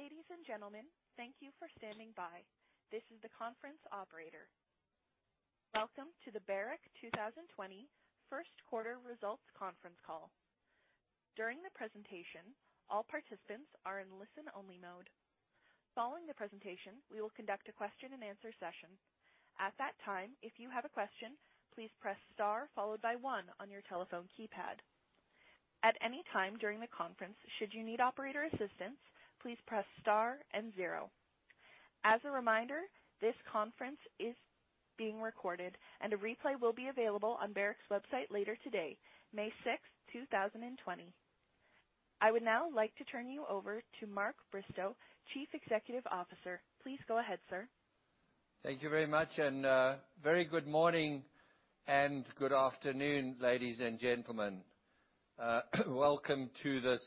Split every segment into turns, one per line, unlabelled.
Ladies and gentlemen, thank you for standing by. This is the conference operator. Welcome to the Barrick 2020 first quarter results conference call. During the presentation, all participants are in listen-only mode. Following the presentation, we will conduct a question and answer session. At that time, if you have a question, please press star followed by one on your telephone keypad. At any time during the conference, should you need operator assistance, please press star and zero. As a reminder, this conference is being recorded, and a replay will be available on Barrick's website later today, May 6, 2020. I would now like to turn you over to Mark Bristow, Chief Executive Officer. Please go ahead, sir.
Thank you very much, and a very good morning and good afternoon, ladies and gentlemen. Welcome to this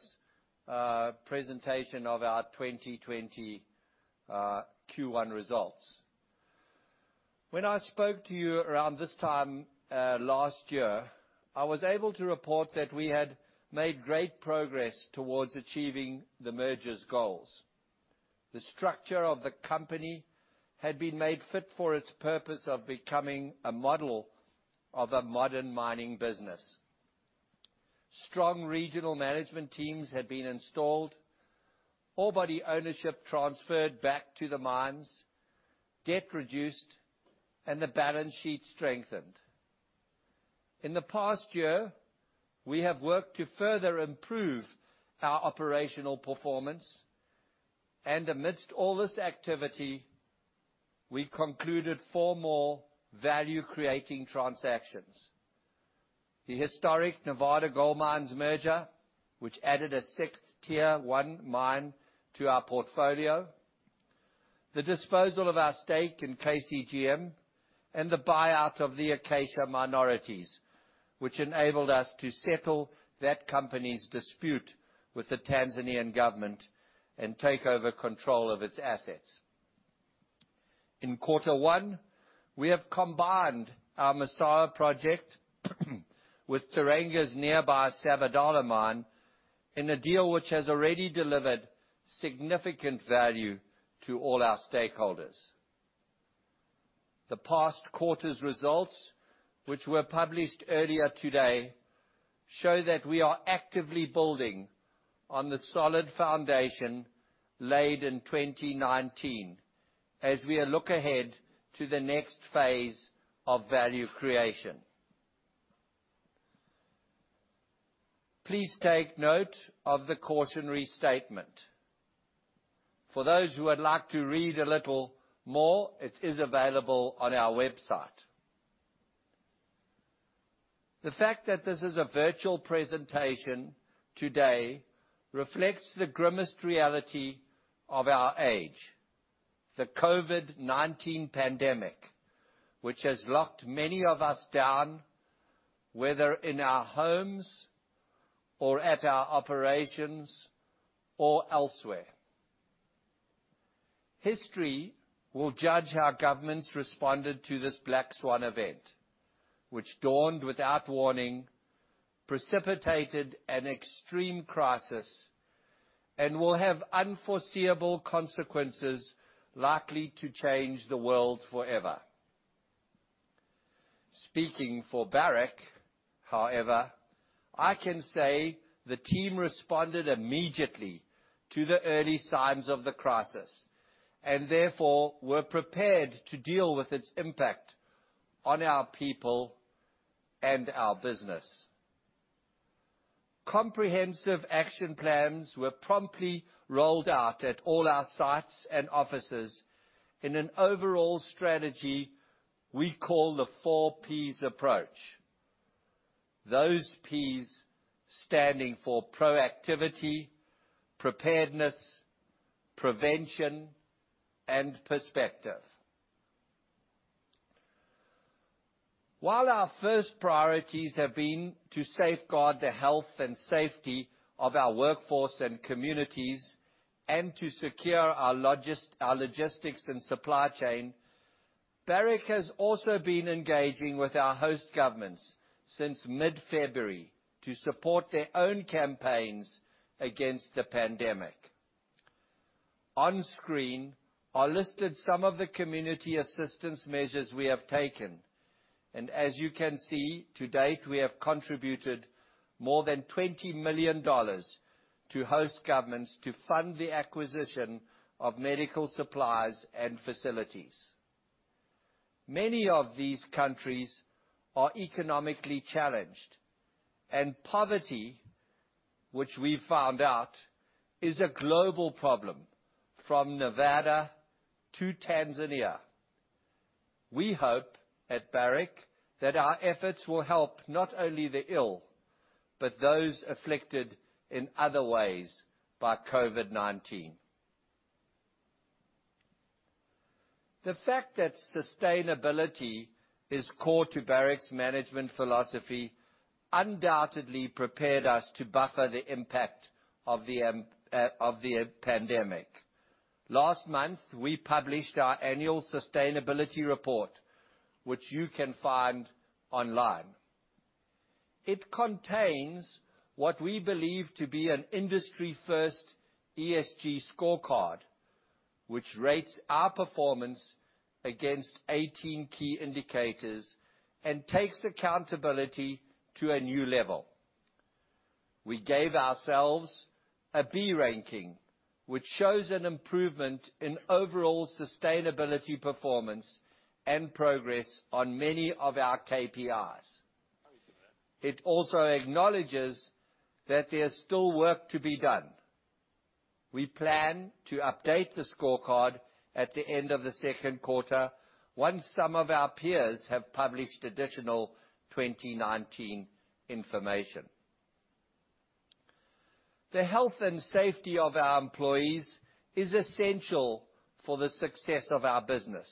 presentation of our 2020 Q1 results. When I spoke to you around this time last year, I was able to report that we had made great progress towards achieving the merger's goals. The structure of the company had been made fit for its purpose of becoming a model of a modern mining business. Strong regional management teams had been installed, orebody ownership transferred back to the mines, debt reduced, and the balance sheet strengthened. In the past year, we have worked to further improve our operational performance. Amidst all this activity, we concluded four more value-creating transactions. The historic Nevada Gold Mines merger, which added a sixth Tier One mine to our portfolio, the disposal of our stake in KCGM, and the buyout of the Acacia minorities, which enabled us to settle that company's dispute with the Tanzanian government and take over control of its assets. In quarter one, we have combined our Massawa project with Teranga's nearby Sabodala mine in a deal which has already delivered significant value to all our stakeholders. The past quarter's results, which were published earlier today, show that we are actively building on the solid foundation laid in 2019 as we look ahead to the next phase of value creation. Please take note of the cautionary statement. For those who would like to read a little more, it is available on our website. The fact that this is a virtual presentation today reflects the grimmest reality of our age, the COVID-19 pandemic, which has locked many of us down, whether in our homes or at our operations or elsewhere. History will judge how governments responded to this black swan event, which dawned without warning, precipitated an extreme crisis, and will have unforeseeable consequences likely to change the world forever. Speaking for Barrick, however, I can say the team responded immediately to the early signs of the crisis and therefore were prepared to deal with its impact on our people and our business. Comprehensive action plans were promptly rolled out at all our sites and offices in an overall strategy we call the four Ps approach. Those Ps standing for proactivity, preparedness, prevention, and perspective. While our first priorities have been to safeguard the health and safety of our workforce and communities and to secure our logistics and supply chain, Barrick has also been engaging with our host governments since mid-February to support their own campaigns against the pandemic. On screen, I listed some of the community assistance measures we have taken, and as you can see, to date, we have contributed more than $20 million to host governments to fund the acquisition of medical supplies and facilities. Many of these countries are economically challenged, and poverty, which we found out, is a global problem from Nevada to Tanzania. We hope at Barrick that our efforts will help not only the ill, but those afflicted in other ways by COVID-19. The fact that sustainability is core to Barrick's management philosophy undoubtedly prepared us to buffer the impact of the pandemic. Last month, we published our annual sustainability report, which you can find online. It contains what we believe to be an industry-first ESG scorecard, which rates our performance against 18 key indicators and takes accountability to a new level. We gave ourselves a B ranking, which shows an improvement in overall sustainability performance and progress on many of our KPIs. It also acknowledges that there's still work to be done. We plan to update the scorecard at the end of the second quarter, once some of our peers have published additional 2019 information. The health and safety of our employees is essential for the success of our business.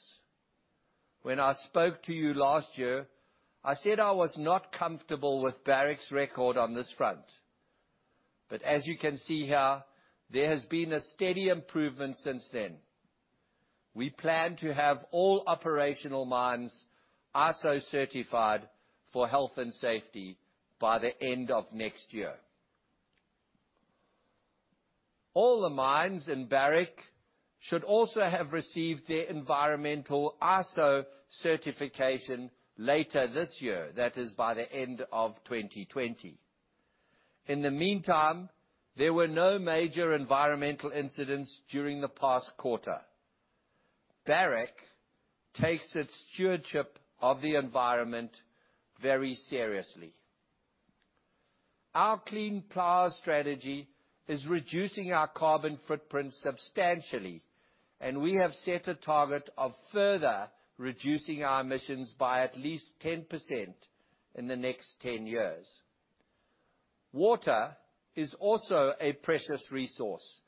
When I spoke to you last year, I said I was not comfortable with Barrick's record on this front. As you can see here, there has been a steady improvement since then. We plan to have all operational mines ISO-certified for health and safety by the end of next year. All the mines in Barrick should also have received their environmental ISO certification later this year, that is, by the end of 2020. In the meantime, there were no major environmental incidents during the past quarter. Barrick takes its stewardship of the environment very seriously. Our Clean Power strategy is reducing our carbon footprint substantially, and we have set a target of further reducing our emissions by at least 10% in the next 10 years. Water is also a precious resource,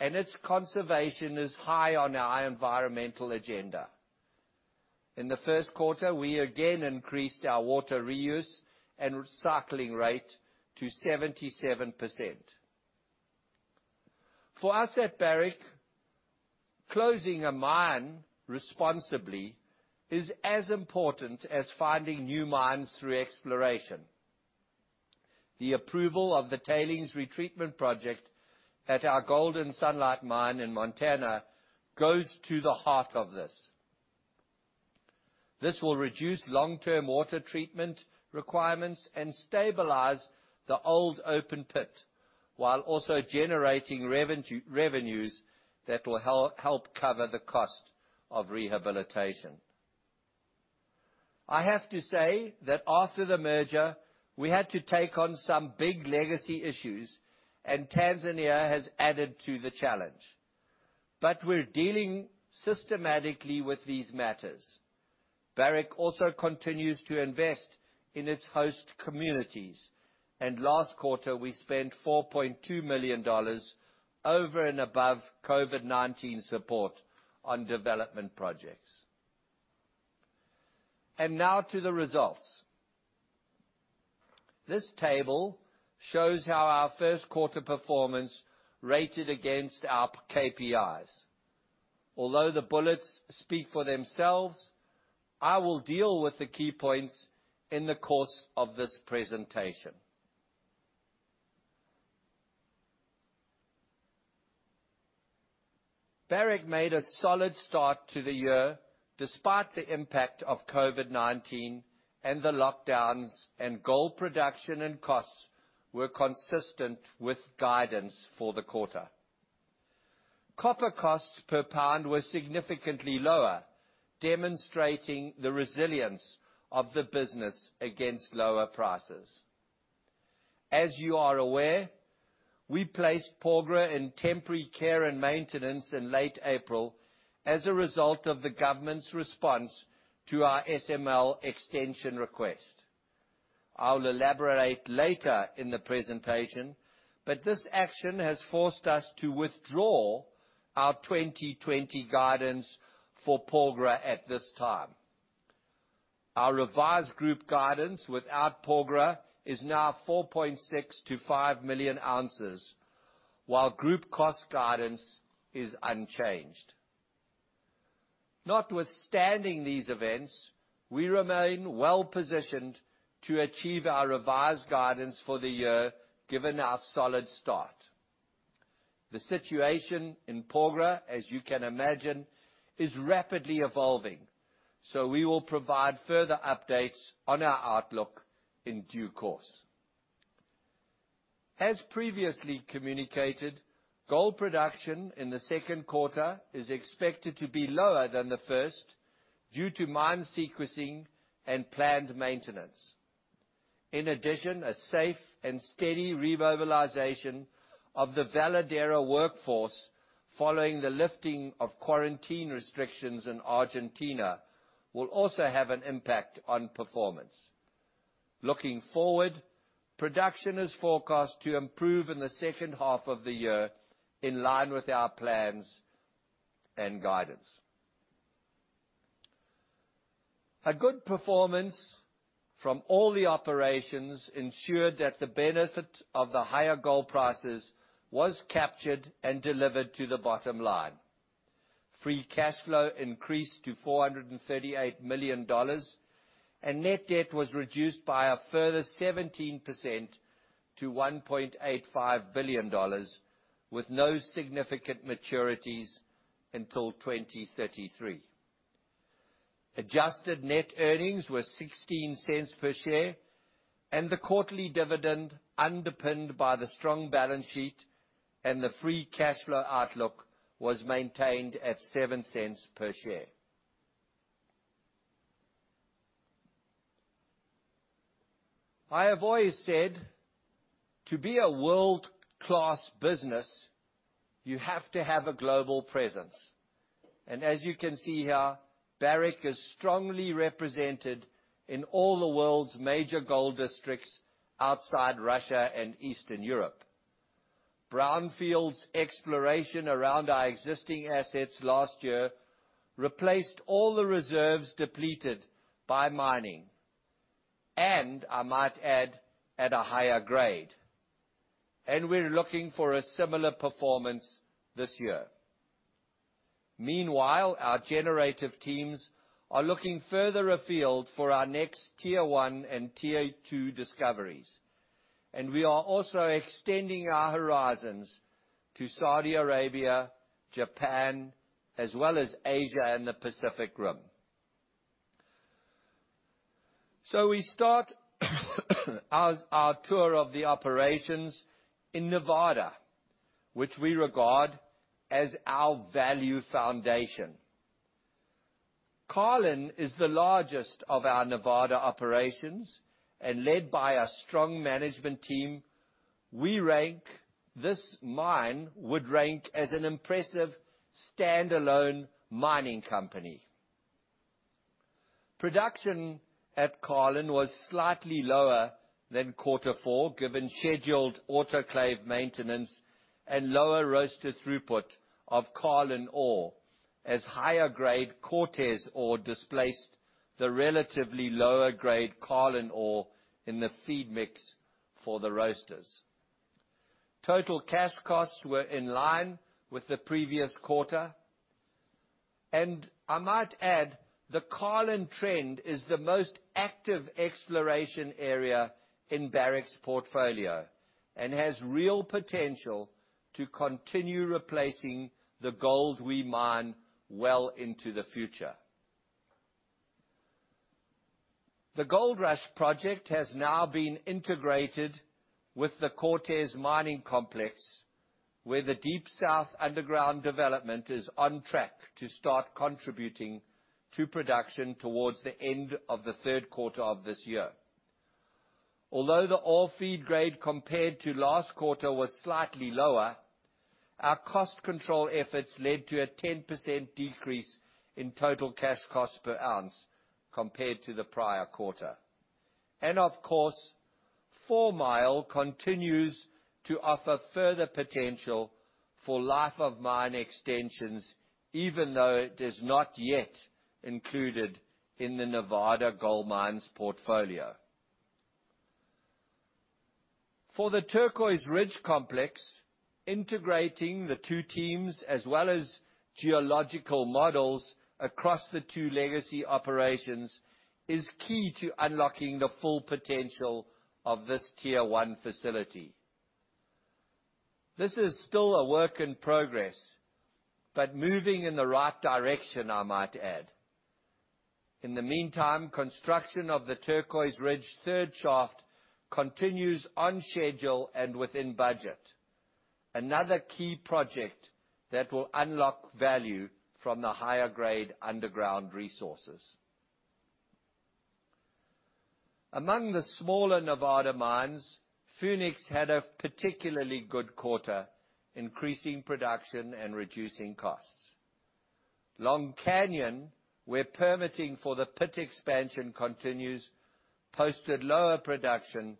and its conservation is high on our environmental agenda. In the first quarter, we again increased our water reuse and recycling rate to 77%. For us at Barrick, closing a mine responsibly is as important as finding new mines through exploration. The approval of the tailings retreatment project at our Golden Sunlight mine in Montana goes to the heart of this. This will reduce long-term water treatment requirements and stabilize the old open pit, while also generating revenues that will help cover the cost of rehabilitation. I have to say that after the merger, we had to take on some big legacy issues, and Tanzania has added to the challenge. We're dealing systematically with these matters. Barrick also continues to invest in its host communities, and last quarter, we spent $4.2 million over and above COVID-19 support on development projects. Now to the results. This table shows how our first quarter performance rated against our KPIs. Although the bullets speak for themselves, I will deal with the key points in the course of this presentation. Barrick made a solid start to the year, despite the impact of COVID-19 and the lockdowns, and gold production and costs were consistent with guidance for the quarter. Copper costs per pound were significantly lower, demonstrating the resilience of the business against lower prices. As you are aware, we placed Porgera in temporary care and maintenance in late April as a result of the government's response to our SML extension request. I will elaborate later in the presentation, but this action has forced us to withdraw our 2020 guidance for Porgera at this time. Our revised group guidance without Porgera is now 4.6 million ounces-5 million ounces, while group cost guidance is unchanged. Notwithstanding these events, we remain well-positioned to achieve our revised guidance for the year, given our solid start. The situation in Porgera, as you can imagine, is rapidly evolving. We will provide further updates on our outlook in due course. As previously communicated, gold production in the second quarter is expected to be lower than the first due to mine sequencing and planned maintenance. In addition, a safe and steady remobilization of the Veladero workforce following the lifting of quarantine restrictions in Argentina will also have an impact on performance. Looking forward, production is forecast to improve in the second half of the year in line with our plans and guidance. A good performance from all the operations ensured that the benefit of the higher gold prices was captured and delivered to the bottom line. Free cash flow increased to $438 million, and net debt was reduced by a further 17% to $1.85 billion, with no significant maturities until 2033. Adjusted net earnings were $0.16 per share, the quarterly dividend underpinned by the strong balance sheet and the free cash flow outlook was maintained at $0.07 per share. I have always said to be a world-class business, you have to have a global presence. As you can see here, Barrick is strongly represented in all the world's major gold districts outside Russia and Eastern Europe. Brownfields exploration around our existing assets last year replaced all the reserves depleted by mining. I might add, at a higher grade. We're looking for a similar performance this year. Meanwhile, our generative teams are looking further afield for our next Tier One and Tier Two discoveries. We are also extending our horizons to Saudi Arabia, Japan, as well as Asia and the Pacific Rim. We start our tour of the operations in Nevada, which we regard as our value foundation. Carlin is the largest of our Nevada operations and led by a strong management team. This mine would rank as an impressive standalone mining company. Production at Carlin was slightly lower than quarter four, given scheduled autoclave maintenance and lower roaster throughput of Carlin ore, as higher-grade Cortez ore displaced the relatively lower-grade Carlin ore in the feed mix for the roasters. Total cash costs were in line with the previous quarter, and I might add, the Carlin Trend is the most active exploration area in Barrick's portfolio and has real potential to continue replacing the gold we mine well into the future. The Goldrush project has now been integrated with the Cortez Mining Complex, where the Deep South underground development is on track to start contributing to production towards the end of the third quarter of this year. Although the ore feed grade compared to last quarter was slightly lower, our cost control efforts led to a 10% decrease in total cash cost per ounce compared to the prior quarter. Of course, Fourmile continues to offer further potential for life of mine extensions, even though it is not yet included in the Nevada Gold Mines portfolio. For the Turquoise Ridge complex, integrating the two teams as well as geological models across the two legacy operations is key to unlocking the full potential of this Tier One facility. This is still a work in progress, but moving in the right direction, I might add. In the meantime, construction of the Turquoise Ridge third shaft continues on schedule and within budget. Another key project that will unlock value from the higher-grade underground resources. Among the smaller Nevada mines, Phoenix had a particularly good quarter, increasing production and reducing costs. Long Canyon, where permitting for the pit expansion continues, posted lower production,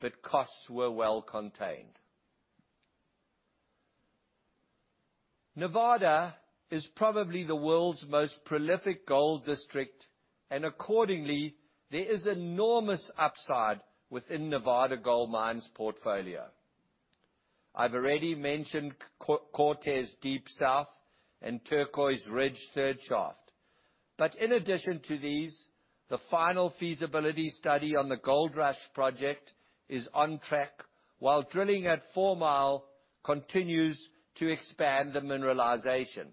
but costs were well contained. Nevada is probably the world's most prolific gold district, and accordingly, there is enormous upside within Nevada Gold Mines portfolio. I've already mentioned Cortez Deep South and Turquoise Ridge third shaft. In addition to these, the final feasibility study on the Goldrush project is on track while drilling at Fourmile continues to expand the mineralization.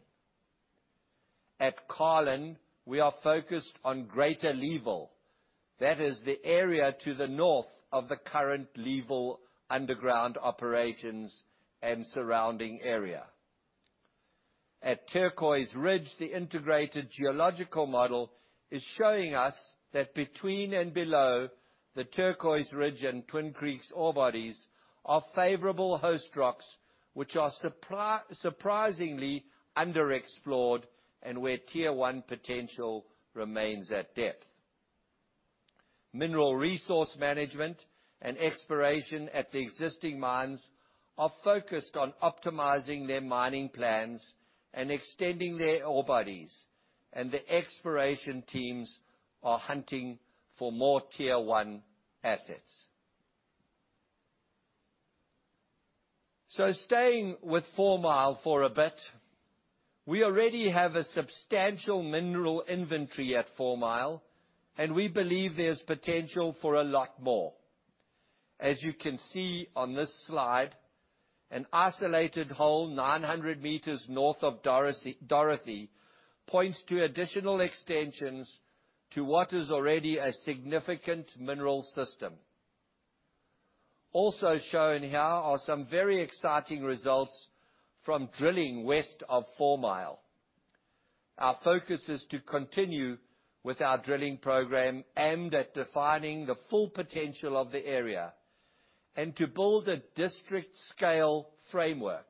At Carlin, we are focused on greater Leeville. That is the area to the north of the current Leeville underground operations and surrounding area. At Turquoise Ridge, the integrated geological model is showing us that between and below the Turquoise Ridge and Twin Creeks ore bodies are favorable host rocks which are surprisingly underexplored and where Tier One potential remains at depth. Mineral resource management and exploration at the existing mines are focused on optimizing their mining plans and extending their ore bodies, and the exploration teams are hunting for more Tier One assets. Staying with Fourmile for a bit, we already have a substantial mineral inventory at Fourmile, and we believe there's potential for a lot more. As you can see on this slide, an isolated hole 900 m north of Dorothy points to additional extensions to what is already a significant mineral system. Also shown here are some very exciting results from drilling west of Fourmile. Our focus is to continue with our drilling program aimed at defining the full potential of the area and to build a district-scale framework.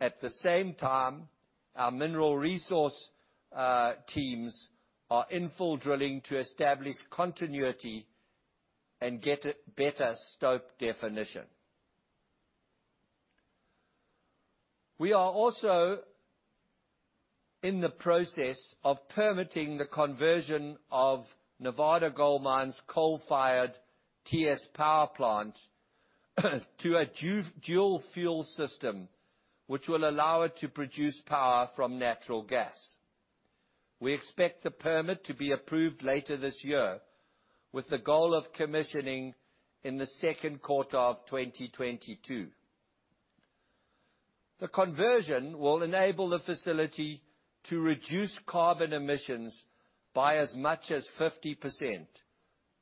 At the same time, our mineral resource teams are infill drilling to establish continuity and get a better stope definition. We are also in the process of permitting the conversion of Nevada Gold Mines' coal-fired TS power plant to a dual-fuel system, which will allow it to produce power from natural gas. We expect the permit to be approved later this year, with the goal of commissioning in the second quarter of 2022. The conversion will enable the facility to reduce carbon emissions by as much as 50%.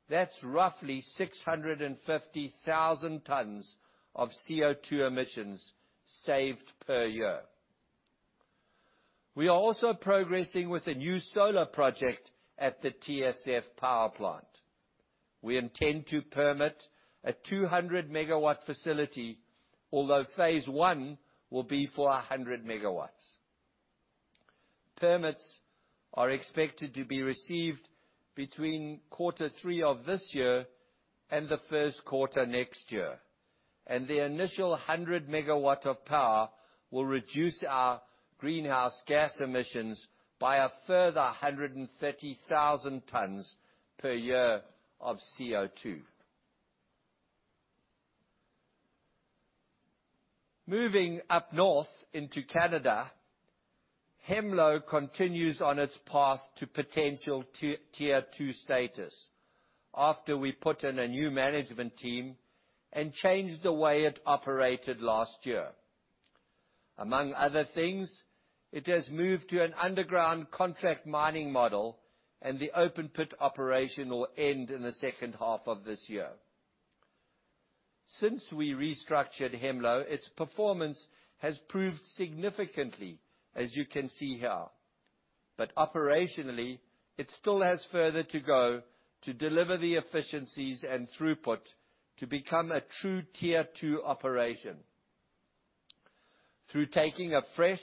That's roughly 650,000 tons of CO2 emissions saved per year. We are also progressing with a new solar project at the TSF power plant. We intend to permit a 200-MW facility, although phase one will be for 100 MW. Permits are expected to be received between Q3 of this year and the Q1 next year. The initial 100 MW of power will reduce our greenhouse gas emissions by a further 130,000 tons per year of CO2. Moving up north into Canada, Hemlo continues on its path to potential Tier Two status after we put in a new management team and changed the way it operated last year. Among other things, it has moved to an underground contract mining model. The open pit operation will end in the second half of this year. Since we restructured Hemlo, its performance has improved significantly, as you can see here. Operationally, it still has further to go to deliver the efficiencies and throughput to become a true Tier Two operation. Through taking a fresh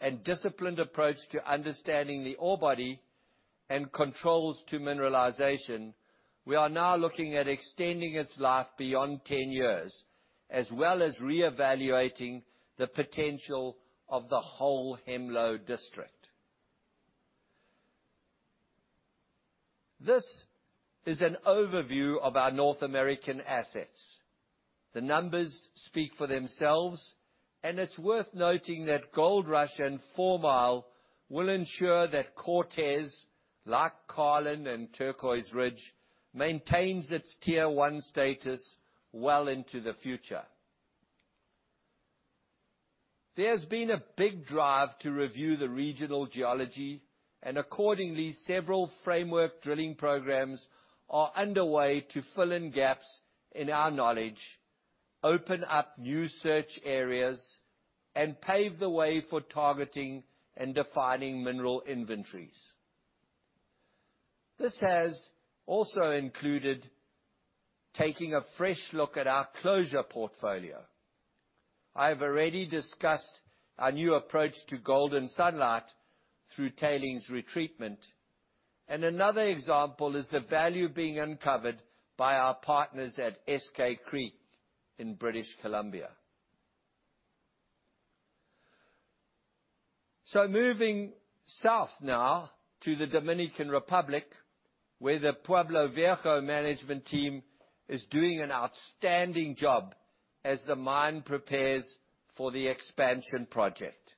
and disciplined approach to understanding the ore body and controls to mineralization, we are now looking at extending its life beyond 10 years, as well as reevaluating the potential of the whole Hemlo district. This is an overview of our North American assets. The numbers speak for themselves, and it's worth noting that Goldrush and Fourmile will ensure that Cortez, like Carlin and Turquoise Ridge, maintains its Tier One status well into the future. There's been a big drive to review the regional geology, and accordingly, several framework drilling programs are underway to fill in gaps in our knowledge, open up new search areas, and pave the way for targeting and defining mineral inventories. This has also included taking a fresh look at our closure portfolio. I've already discussed our new approach to Golden Sunlight through tailings retreatment, another example is the value being uncovered by our partners at Eskay Creek in British Columbia. Moving south now to the Dominican Republic, where the Pueblo Viejo management team is doing an outstanding job as the mine prepares for the expansion project.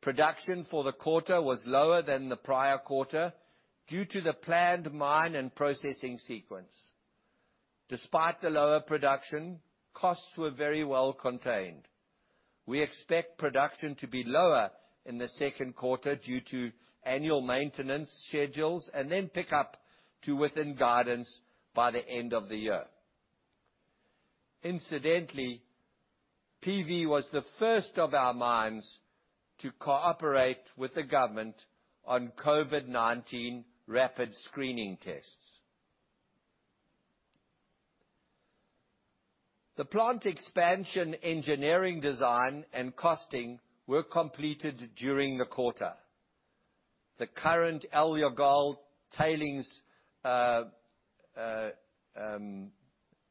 Production for the quarter was lower than the prior quarter due to the planned mine and processing sequence. Despite the lower production, costs were very well contained. We expect production to be lower in the second quarter due to annual maintenance schedules, then pick up to within guidance by the end of the year. Incidentally, PV was the first of our mines to cooperate with the government on COVID-19 rapid screening tests. The plant expansion engineering design and costing were completed during the quarter. The current El Llagal tailings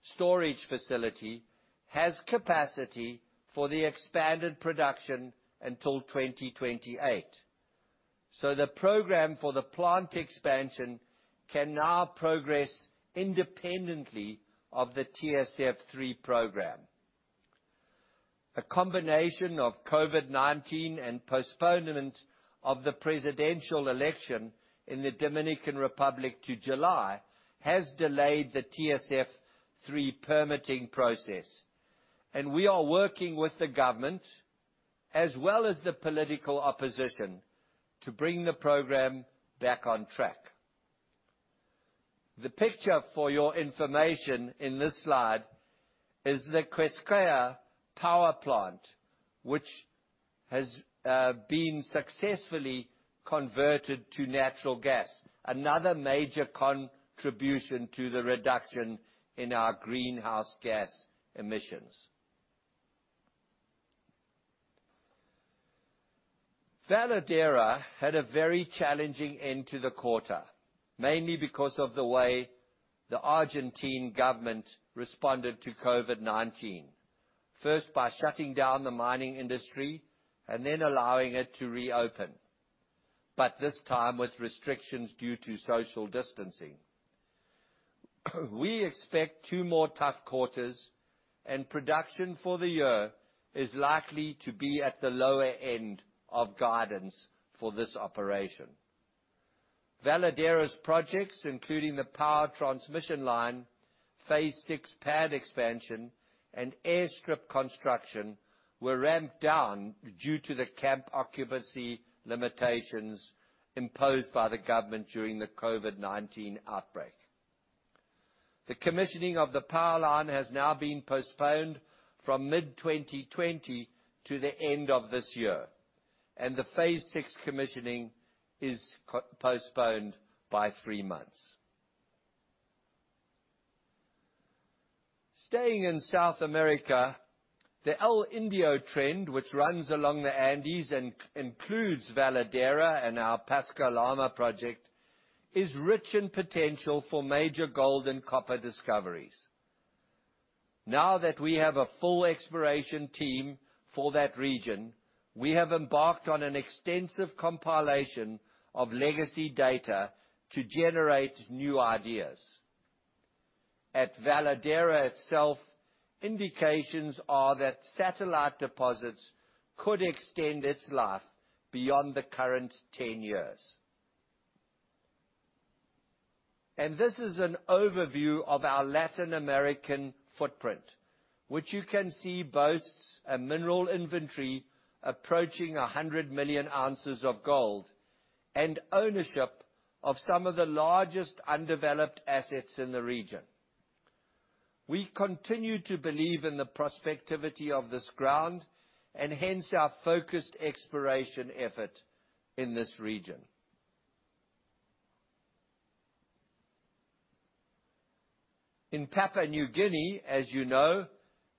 storage facility has capacity for the expanded production until 2028. The program for the plant expansion can now progress independently of the TSF3 program. A combination of COVID-19 and postponement of the presidential election in the Dominican Republic to July has delayed the TSF3 permitting process. We are working with the government, as well as the political opposition, to bring the program back on track. The picture for your information in this slide is the Quisqueya Power Plant, which has been successfully converted to natural gas, another major contribution to the reduction in our greenhouse gas emissions. Veladero had a very challenging end to the quarter, mainly because of the way the Argentine government responded to COVID-19. First by shutting down the mining industry and then allowing it to reopen, but this time with restrictions due to social distancing. We expect two more tough quarters and production for the year is likely to be at the lower end of guidance for this operation. Veladero's projects, including the power transmission line, Phase 6 pad expansion, and airstrip construction, were ramped down due to the camp occupancy limitations imposed by the government during the COVID-19 outbreak. The commissioning of the power line has now been postponed from mid-2020 to the end of this year, and the Phase 6 commissioning is postponed by three months. Staying in South America, the El Indio trend, which runs along the Andes and includes Veladero and our Pascua-Lama project, is rich in potential for major gold and copper discoveries. Now that we have a full exploration team for that region, we have embarked on an extensive compilation of legacy data to generate new ideas. At Veladero itself, indications are that satellite deposits could extend its life beyond the current 10 years. This is an overview of our Latin American footprint, which you can see boasts a mineral inventory approaching 100 million ounces of gold and ownership of some of the largest undeveloped assets in the region. We continue to believe in the prospectivity of this ground and hence our focused exploration effort in this region. In Papua New Guinea, as you know,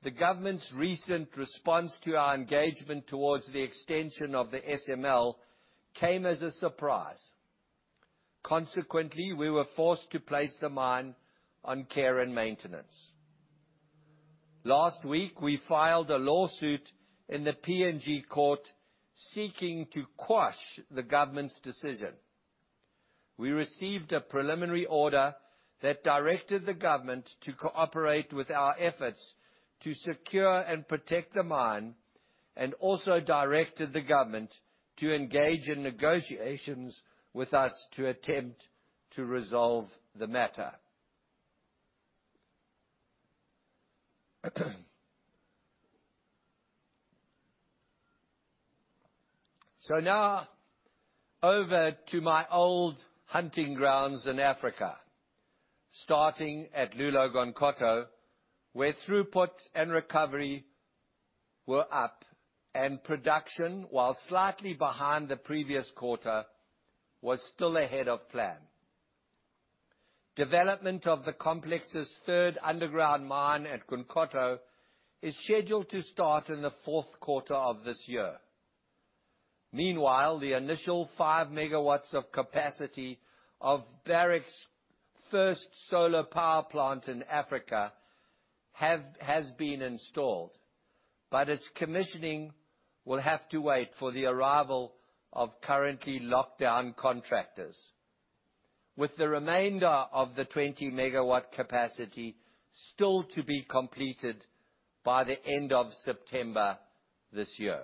the government's recent response to our engagement towards the extension of the SML came as a surprise. Consequently, we were forced to place the mine on care and maintenance. Last week, we filed a lawsuit in the PNG court seeking to quash the government's decision. We received a preliminary order that directed the government to cooperate with our efforts to secure and protect the mine and also directed the government to engage in negotiations with us to attempt to resolve the matter. Now over to my old hunting grounds in Africa, starting at Loulo-Gounkoto, where throughput and recovery were up and production, while slightly behind the previous quarter, was still ahead of plan. Development of the complex's third underground mine at Gounkoto is scheduled to start in the fourth quarter of this year. Meanwhile, the initial 5 MW of capacity of Barrick's first solar power plant in Africa has been installed, but its commissioning will have to wait for the arrival of currently locked down contractors. With the remainder of the 20-MW capacity still to be completed by the end of September this year.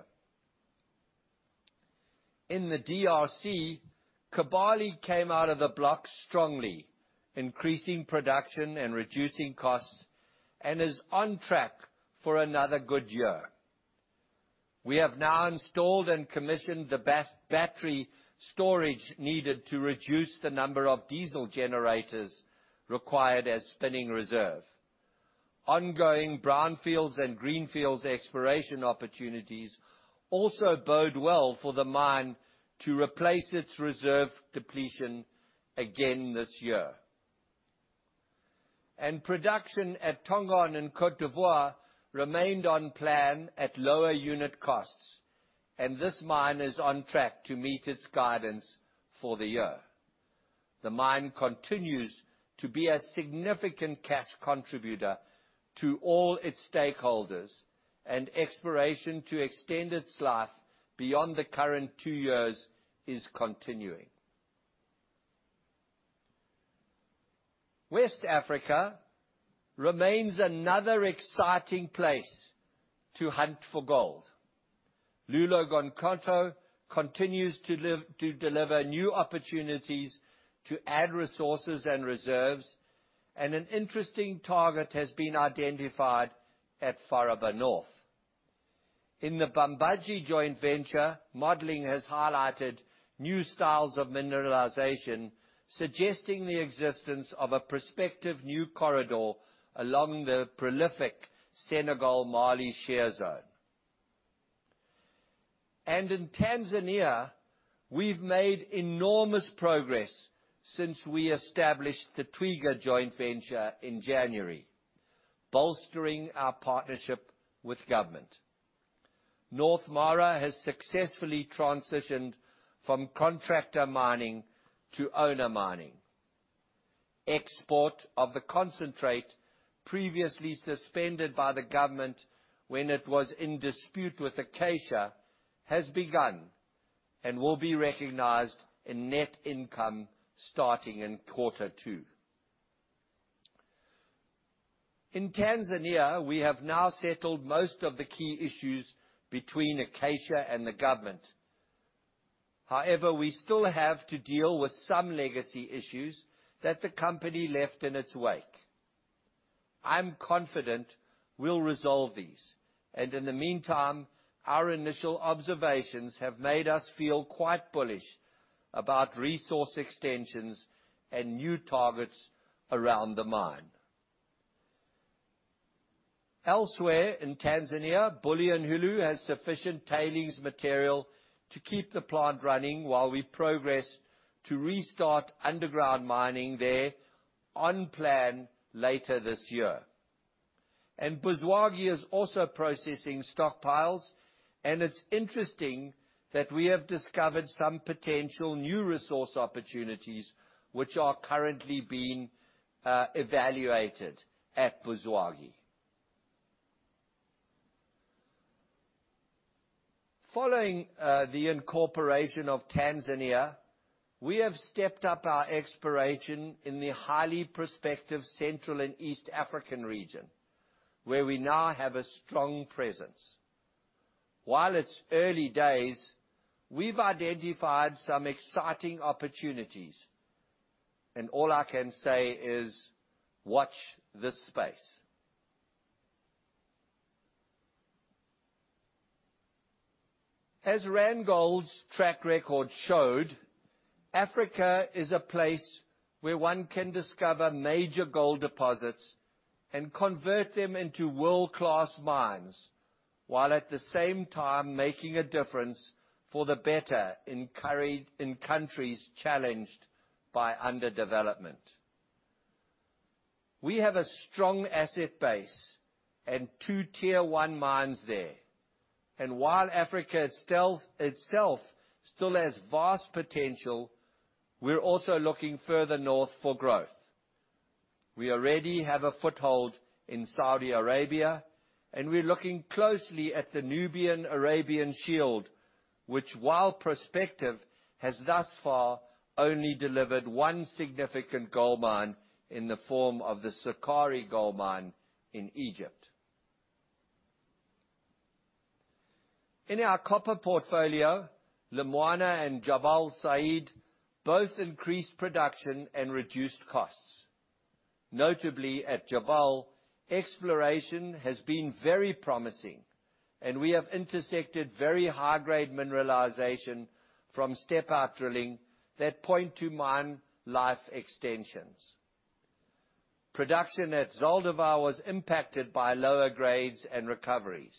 In the DRC, Kibali came out of the block strongly, increasing production and reducing costs and is on track for another good year. We have now installed and commissioned the battery storage needed to reduce the number of diesel generators required as spinning reserve. Ongoing brownfields and greenfields exploration opportunities also bode well for the mine to replace its reserve depletion again this year. Production at Tongon in Côte d'Ivoire remained on plan at lower unit costs, and this mine is on track to meet its guidance for the year. The mine continues to be a significant cash contributor to all its stakeholders, and exploration to extend its life beyond the current two years is continuing. West Africa remains another exciting place to hunt for gold. Loulo-Gounkoto continues to deliver new opportunities to add resources and reserves, and an interesting target has been identified at Faraba North. In the Bambadji joint venture, modeling has highlighted new styles of mineralization, suggesting the existence of a prospective new corridor along the prolific Senegal-Mali shear zone. In Tanzania, we've made enormous progress since we established the Twiga joint venture in January, bolstering our partnership with government. North Mara has successfully transitioned from contractor mining to owner mining. Export of the concentrate previously suspended by the government when it was in dispute with Acacia has begun and will be recognized in net income starting in quarter two. In Tanzania, we have now settled most of the key issues between Acacia and the government. We still have to deal with some legacy issues that the company left in its wake. I'm confident we'll resolve these, and in the meantime, our initial observations have made us feel quite bullish about resource extensions and new targets around the mine. Elsewhere in Tanzania, Bulyanhulu has sufficient tailings material to keep the plant running while we progress to restart underground mining there on plan later this year. Buzwagi is also processing stockpiles, and it's interesting that we have discovered some potential new resource opportunities which are currently being evaluated at Buzwagi. Following the incorporation of Tanzania, we have stepped up our exploration in the highly prospective Central and East African region, where we now have a strong presence. While it's early days, we've identified some exciting opportunities, and all I can say is, watch this space. As Randgold's track record showed, Africa is a place where one can discover major gold deposits and convert them into world-class mines, while at the same time making a difference for the better in countries challenged by underdevelopment. We have a strong asset base and two Tier One mines there. While Africa itself still has vast potential, we're also looking further north for growth. We already have a foothold in Saudi Arabia, and we're looking closely at the Nubian-Arabian Shield, which while prospective, has thus far only delivered one significant gold mine in the form of the Sukari gold mine in Egypt. In our copper portfolio, Lumwana and Jabal Sayid both increased production and reduced costs. Notably at Jabal, exploration has been very promising, and we have intersected very high-grade mineralization from step-out drilling that point to mine life extensions. Production at Zaldívar was impacted by lower grades and recoveries.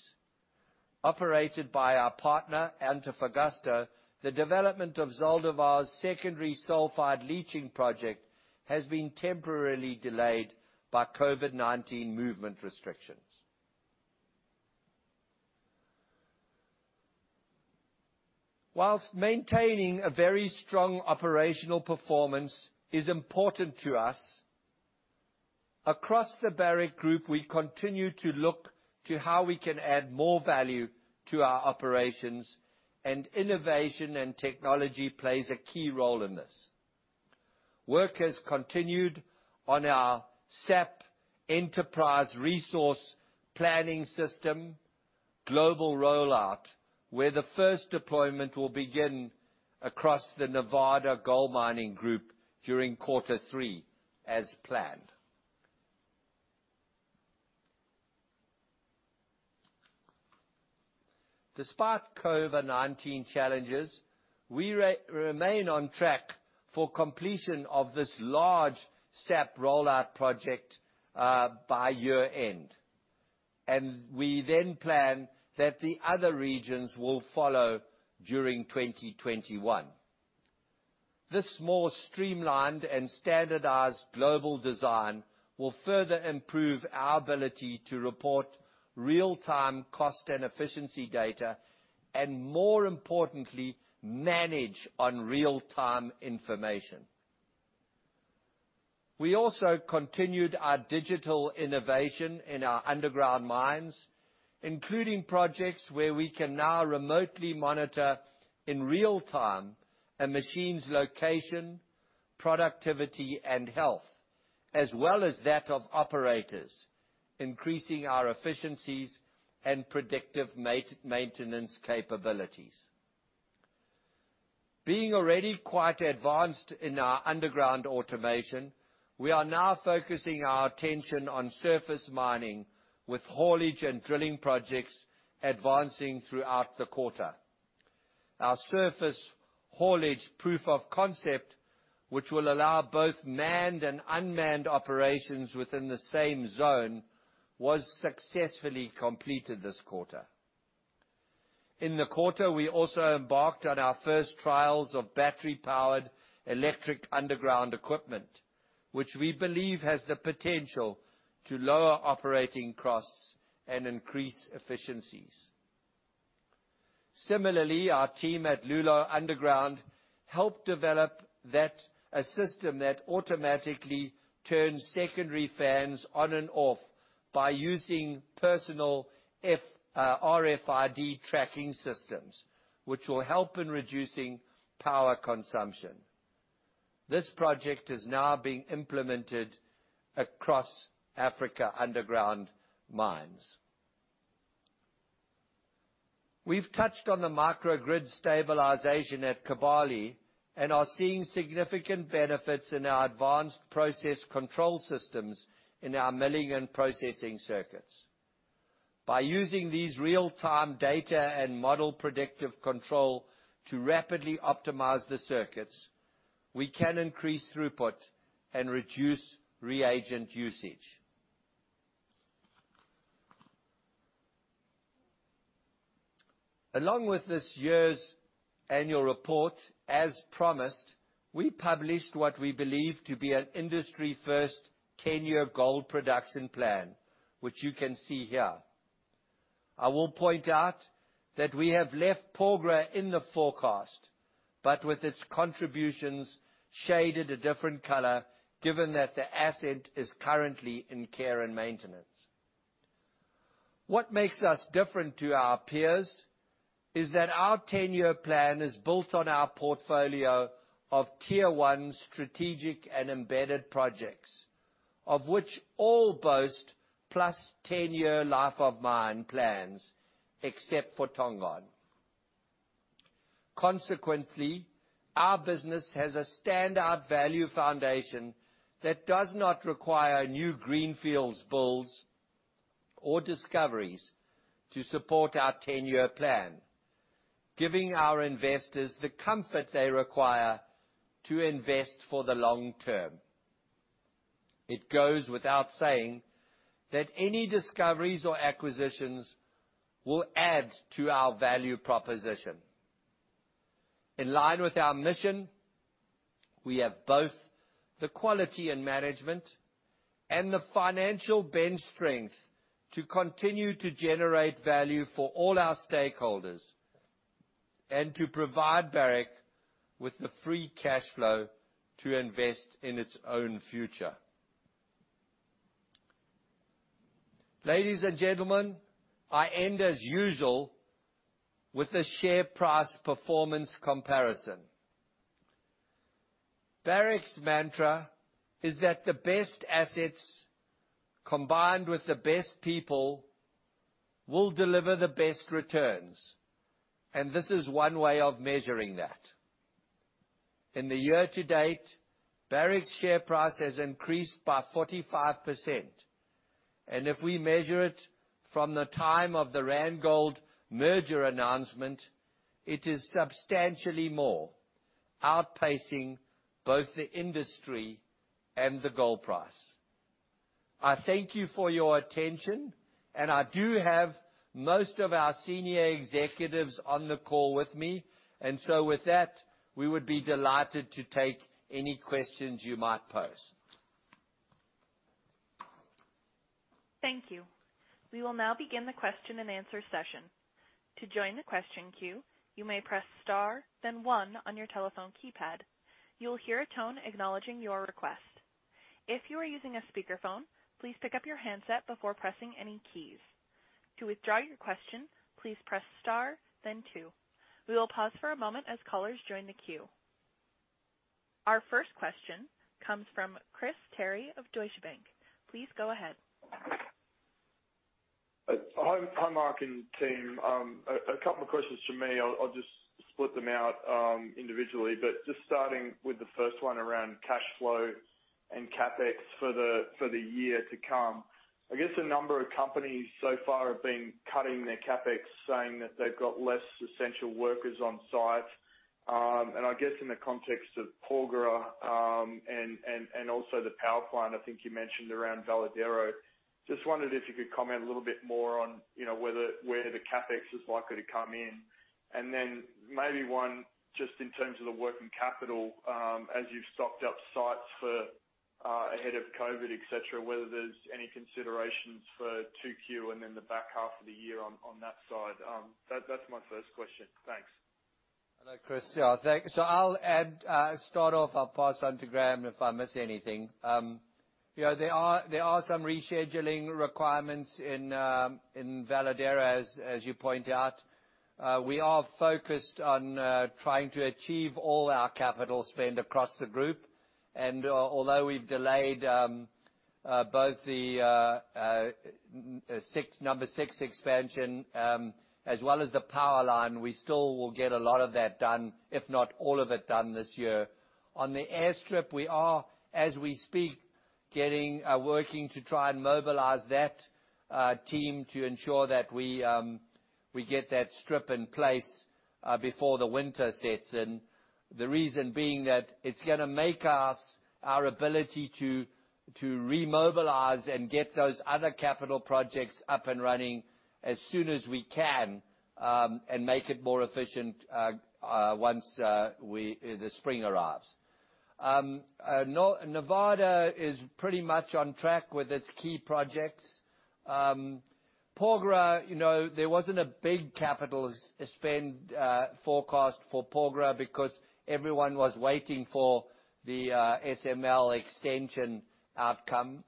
Operated by our partner, Antofagasta, the development of Zaldívar's secondary sulfide leaching project has been temporarily delayed by COVID-19 movement restrictions. Whilst maintaining a very strong operational performance is important to us, across the Barrick Group, we continue to look to how we can add more value to our operations, and innovation and technology plays a key role in this. Work has continued on our SAP enterprise resource planning system global rollout, where the first deployment will begin across the Nevada Gold Mines during Q3 as planned. Despite COVID-19 challenges, we remain on track for completion of this large SAP rollout project by year-end. We then plan that the other regions will follow during 2021. This more streamlined and standardized global design will further improve our ability to report real-time cost and efficiency data, and more importantly, manage on real-time information. We also continued our digital innovation in our underground mines, including projects where we can now remotely monitor in real time a machine's location, productivity, and health, as well as that of operators, increasing our efficiencies and predictive maintenance capabilities. Being already quite advanced in our underground automation, we are now focusing our attention on surface mining, with haulage and drilling projects advancing throughout the quarter. Our surface haulage proof of concept, which will allow both manned and unmanned operations within the same zone, was successfully completed this quarter. In the quarter, we also embarked on our first trials of battery-powered electric underground equipment, which we believe has the potential to lower operating costs and increase efficiencies. Similarly, our team at Loulo Underground helped develop a system that automatically turns secondary fans on and off by using personal RFID tracking systems, which will help in reducing power consumption. This project is now being implemented across Africa underground mines. We've touched on the microgrid stabilization at Kibali and are seeing significant benefits in our advanced process control systems in our milling and processing circuits. By using these real-time data and model predictive control to rapidly optimize the circuits, we can increase throughput and reduce reagent usage. Along with this year's annual report, as promised, we published what we believe to be an industry first 10-year gold production plan, which you can see here. I will point out that we have left Porgera in the forecast, but with its contributions shaded a different color, given that the asset is currently in care and maintenance. What makes us different to our peers is that our 10-year plan is built on our portfolio of Tier One strategic and embedded projects, of which all boast plus 10-year life of mine plans, except for Tongon. Consequently, our business has a standout value foundation that does not require new greenfields builds or discoveries to support our 10-year plan, giving our investors the comfort they require to invest for the long term. It goes without saying that any discoveries or acquisitions will add to our value proposition. In line with our mission, we have both the quality in management and the financial bench strength to continue to generate value for all our stakeholders and to provide Barrick with the free cash flow to invest in its own future. Ladies and gentlemen, I end as usual with a share price performance comparison. Barrick's mantra is that the best assets combined with the best people will deliver the best returns, and this is one way of measuring that. In the year-to-date, Barrick's share price has increased by 45%, and if we measure it from the time of the Randgold merger announcement, it is substantially more, outpacing both the industry and the gold price. I thank you for your attention, and I do have most of our senior executives on the call with me. With that, we would be delighted to take any questions you might pose.
Thank you. We will now begin the question and answer session. To join the question queue, you may press star then one on your telephone keypad. You will hear a tone acknowledging your request. If you are using a speakerphone, please pick up your handset before pressing any keys. To withdraw your question, please press star then two. We will pause for a moment as callers join the queue. Our first question comes from Chris Terry of Deutsche Bank. Please go ahead.
Hi, Mark and team. A couple of questions from me. I'll just split them out individually. Just starting with the first one around cash flow and CapEx for the year to come. I guess a number of companies so far have been cutting their CapEx, saying that they've got less essential workers on site. I guess in the context of Porgera, and also the power plant I think you mentioned around Veladero, just wondered if you could comment a little bit more on where the CapEx is likely to come in. Maybe one just in terms of the working capital, as you've stocked up sites ahead of COVID, et cetera, whether there's any considerations for 2Q and then the back half of the year on that side. That's my first question. Thanks.
Hello, Chris. Yeah, thanks. I'll start off, I'll pass on to Graham if I miss anything. There are some rescheduling requirements in Veladero, as you point out. We are focused on trying to achieve all our capital spend across the group. Although we've delayed both the number 6 expansion as well as the power line, we still will get a lot of that done, if not all of it done this year. On the airstrip, we are, as we speak, working to try and mobilize that team to ensure that we get that strip in place before the winter sets in. The reason being that it's going to make our ability to remobilize and get those other capital projects up and running as soon as we can, and make it more efficient once the spring arrives. Nevada is pretty much on track with its key projects. Porgera, there wasn't a big capital spend forecast for Porgera because everyone was waiting for the SML extension outcome.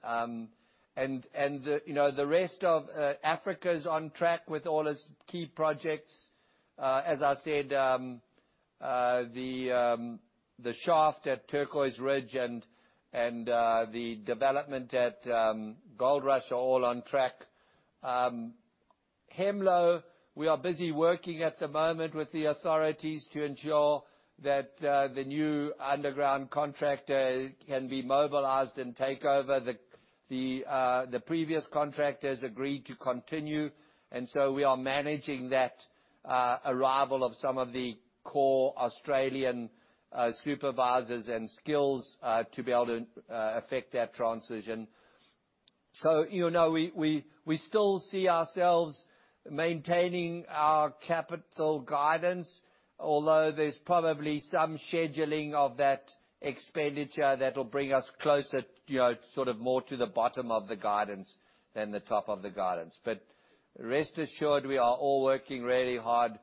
The rest of Africa's on track with all its key projects. As I said, the shaft at Turquoise Ridge and the development at Goldrush are all on track. Hemlo, we are busy working at the moment with the authorities to ensure that the new underground contractor can be mobilized and take over. The previous contractors agreed to continue, we are managing that arrival of some of the core Australian supervisors and skills to be able to affect that transition. We still see ourselves maintaining our capital guidance, although there's probably some scheduling of that expenditure that'll bring us closer, sort of more to the bottom of the guidance than the top of the guidance. Rest assured, we are all working really hard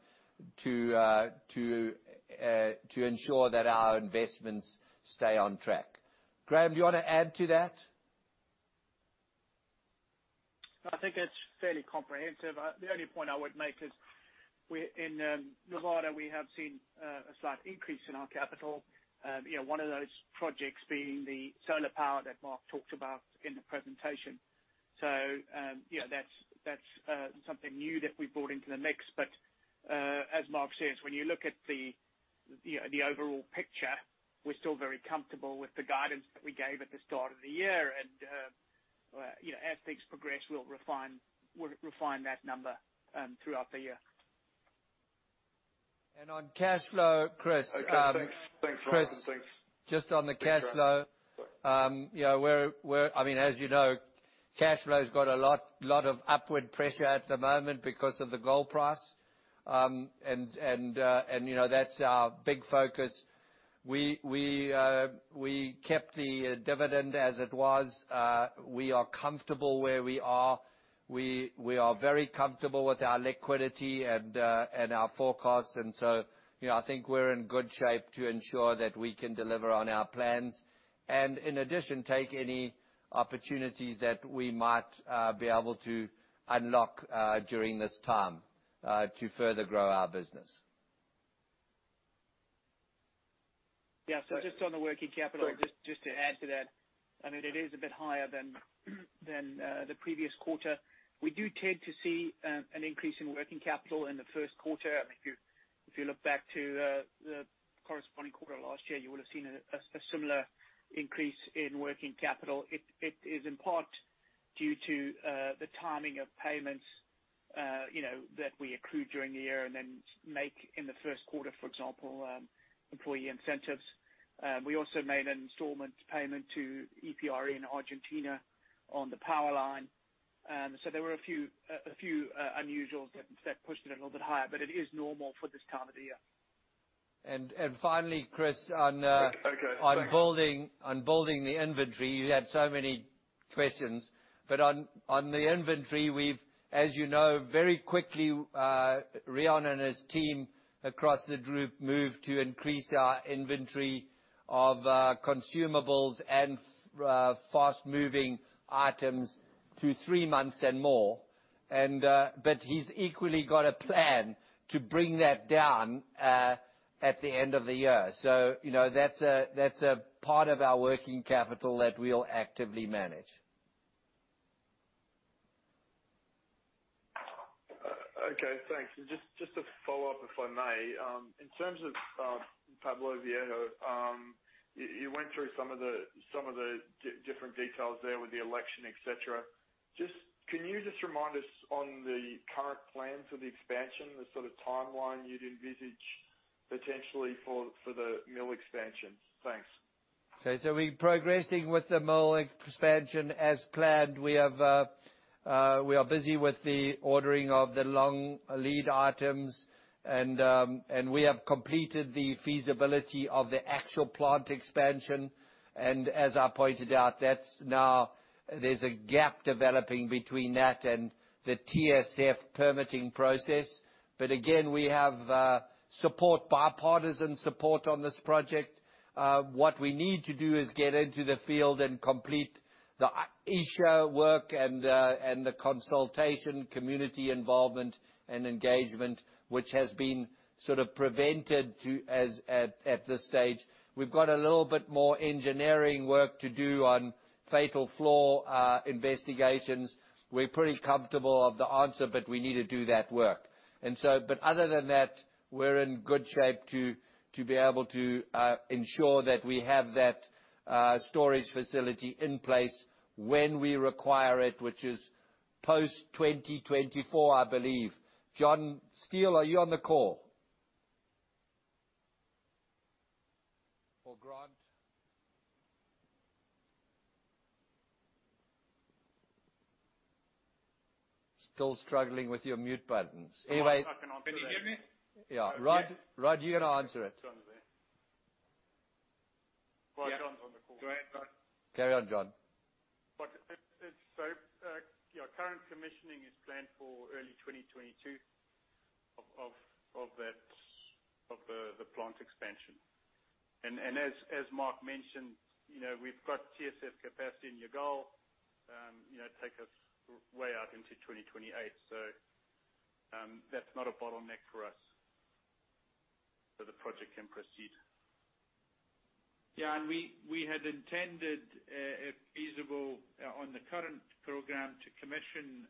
to ensure that our investments stay on track. Graham, do you want to add to that?
I think that's fairly comprehensive. The only point I would make is, in Nevada, we have seen a slight increase in our capital. One of those projects being the solar power that Mark talked about in the presentation. That's something new that we've brought into the mix. As Mark says, when you look at the overall picture, we're still very comfortable with the guidance that we gave at the start of the year. As things progress, we'll refine that number throughout the year.
On cash flow, Chris-
Okay. Thanks, Mark. Thanks.
Chris, just on the cash flow.
Thanks, guys.
As you know, cash flow's got a lot of upward pressure at the moment because of the gold price. That's our big focus. We kept the dividend as it was. We are comfortable where we are. We are very comfortable with our liquidity and our forecasts. I think we're in good shape to ensure that we can deliver on our plans. In addition, take any opportunities that we might be able to unlock during this time to further grow our business.
Yeah. just on the working capital.
Sorry.
Just to add to that, it is a bit higher than the previous quarter. We do tend to see an increase in working capital in the first quarter. If you look back to the corresponding quarter last year, you would've seen a similar increase in working capital. It is in part due to the timing of payments that we accrue during the year and then make in the first quarter, for example, employee incentives. We also made an installment payment to EPRE in Argentina on the power line. There were a few unusuals that pushed it a little bit higher, but it is normal for this time of the year.
Finally, Chris.
Okay. Thanks.
On building the inventory, you had so many questions. On the inventory, we've, as you know, very quickly, Riaan and his team across the group moved to increase our inventory of consumables and fast-moving items to three months and more. He's equally got a plan to bring that down at the end of the year. That's a part of our working capital that we'll actively manage.
Okay, thanks. Just to follow up, if I may. In terms of Pueblo Viejo, you went through some of the different details there with the election, et cetera. Can you just remind us on the current plans for the expansion, the sort of timeline you'd envisage potentially for the mill expansion? Thanks.
Okay, we're progressing with the mill expansion as planned. We are busy with the ordering of the long lead items and we have completed the feasibility of the actual plant expansion. As I pointed out, there's a gap developing between that and the TSF permitting process. Again, we have bipartisan support on this project. What we need to do is get into the field and complete the ESIA work and the consultation, community involvement, and engagement, which has been sort of prevented at this stage. We've got a little bit more engineering work to do on fatal flaw investigations. We're pretty comfortable of the answer, but we need to do that work. Other than that, we're in good shape to be able to ensure that we have that storage facility in place when we require it, which is post 2024, I believe. John Steele, are you on the call? Grant? Still struggling with your mute buttons.
I can answer that.
Can you hear me?
Yeah. Rod, you're going to answer it.
John's there. Well, John's on the call. Go ahead, John.
Carry on, John.
Our current commissioning is planned for early 2022 of the plant expansion. As Mark mentioned, we've got TSF capacity in Llagal, take us way out into 2028. That's not a bottleneck for us. The project can proceed.
Yeah, we had intended, if feasible, on the current program, to commission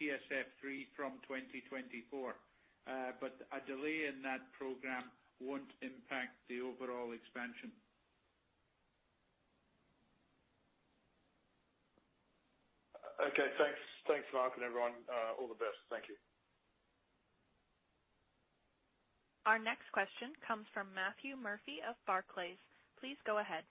TSF3 from 2024. A delay in that program won't impact the overall expansion.
Okay. Thanks, Mark, and everyone. All the best. Thank you.
Our next question comes from Matthew Murphy of Barclays. Please go ahead.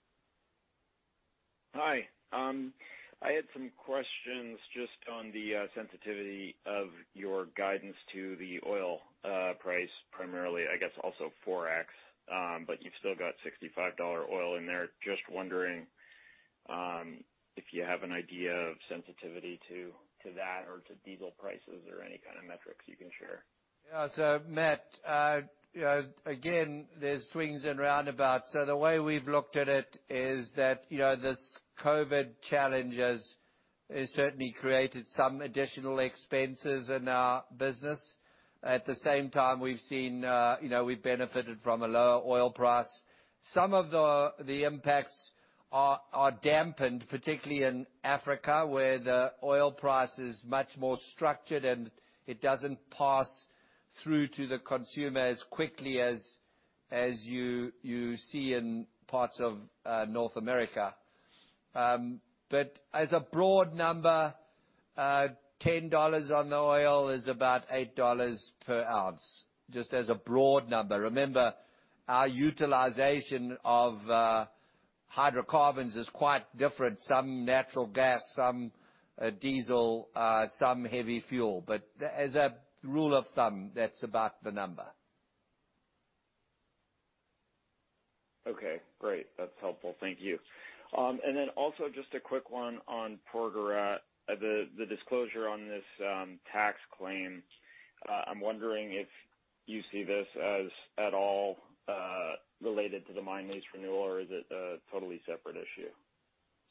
Hi. I had some questions just on the sensitivity of your guidance to the oil price primarily, I guess also Forex. You've still got $65 oil in there. Just wondering if you have an idea of sensitivity to that or to diesel prices or any kind of metrics you can share.
Yeah. Matt, again, there's swings and roundabouts. The way we've looked at it is that, this COVID-19 challenge has certainly created some additional expenses in our business. At the same time, we've benefited from a lower oil price. Some of the impacts are dampened, particularly in Africa, where the oil price is much more structured and it doesn't pass through to the consumer as quickly as you see in parts of North America. As a broad number, $10 on the oil is about $8 per ounce, just as a broad number. Remember, our utilization of hydrocarbons is quite different. Some natural gas, some diesel, some heavy fuel. As a rule of thumb, that's about the number.
Okay, great. That's helpful. Thank you. Also just a quick one on Porgera. The disclosure on this tax claim. I'm wondering if you see this as at all related to the mine lease renewal, or is it a totally separate issue?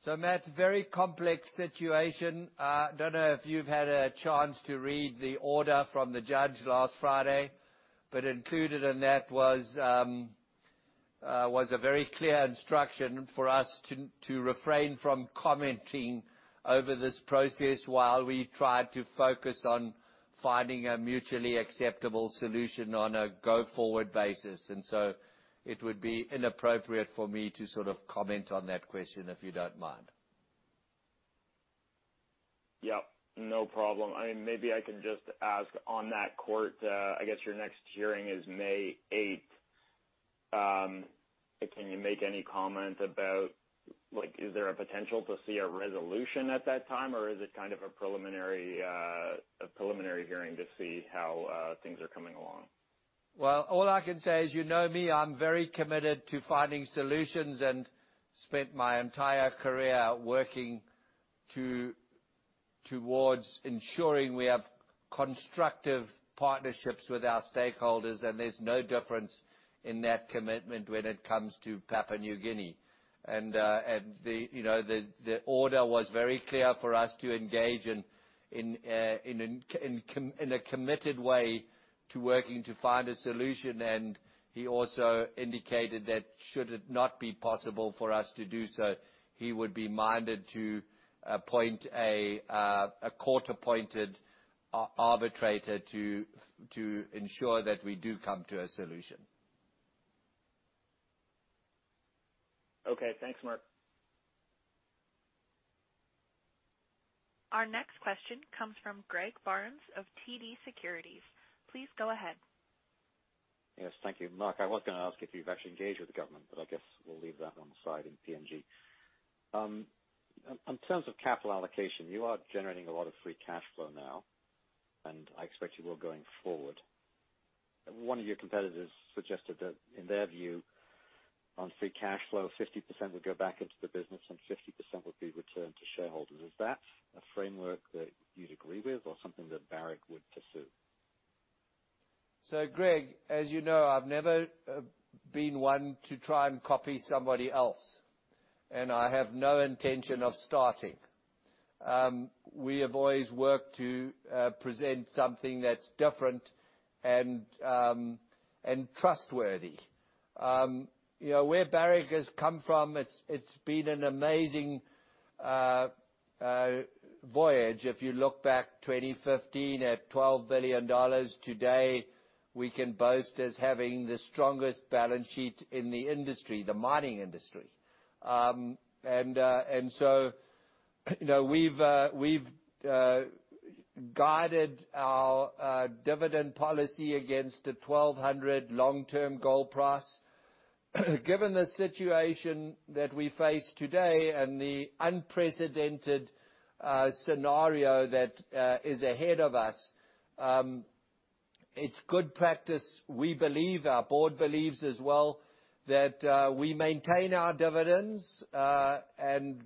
Matt, very complex situation. I don't know if you've had a chance to read the order from the judge last Friday, but included in that was a very clear instruction for us to refrain from commenting over this process while we try to focus on finding a mutually acceptable solution on a go-forward basis. It would be inappropriate for me to sort of comment on that question, if you don't mind.
Yep, no problem. Maybe I can just ask on that court, I guess your next hearing is May 8th. Can you make any comment about, is there a potential to see a resolution at that time, or is it kind of a preliminary hearing to see how things are coming along?
Well, all I can say is, you know me, I'm very committed to finding solutions and spent my entire career working towards ensuring we have constructive partnerships with our stakeholders, and there's no difference in that commitment when it comes to Papua New Guinea. The order was very clear for us to engage in a committed way to working to find a solution. He also indicated that should it not be possible for us to do so, he would be minded to appoint a court-appointed arbitrator to ensure that we do come to a solution.
Okay. Thanks, Mark.
Our next question comes from Greg Barnes of TD Securities. Please go ahead.
Yes, thank you. Mark, I was going to ask if you've actually engaged with the government, but I guess we'll leave that on the side in PNG. In terms of capital allocation, you are generating a lot of free cash flow now, and I expect you will going forward. One of your competitors suggested that in their view, on free cash flow, 50% would go back into the business and 50% would be returned to shareholders. Is that a framework that you'd agree with or something that Barrick would pursue?
Greg, as you know, I've never been one to try and copy somebody else, and I have no intention of starting. We have always worked to present something that's different and trustworthy. Where Barrick has come from, it's been an amazing voyage. If you look back 2015 at $12 billion, today, we can boast as having the strongest balance sheet in the industry, the mining industry. We've guided our dividend policy against a $1,200 long-term gold price. Given the situation that we face today and the unprecedented scenario that is ahead of us, it's good practice, we believe, our board believes as well, that we maintain our dividends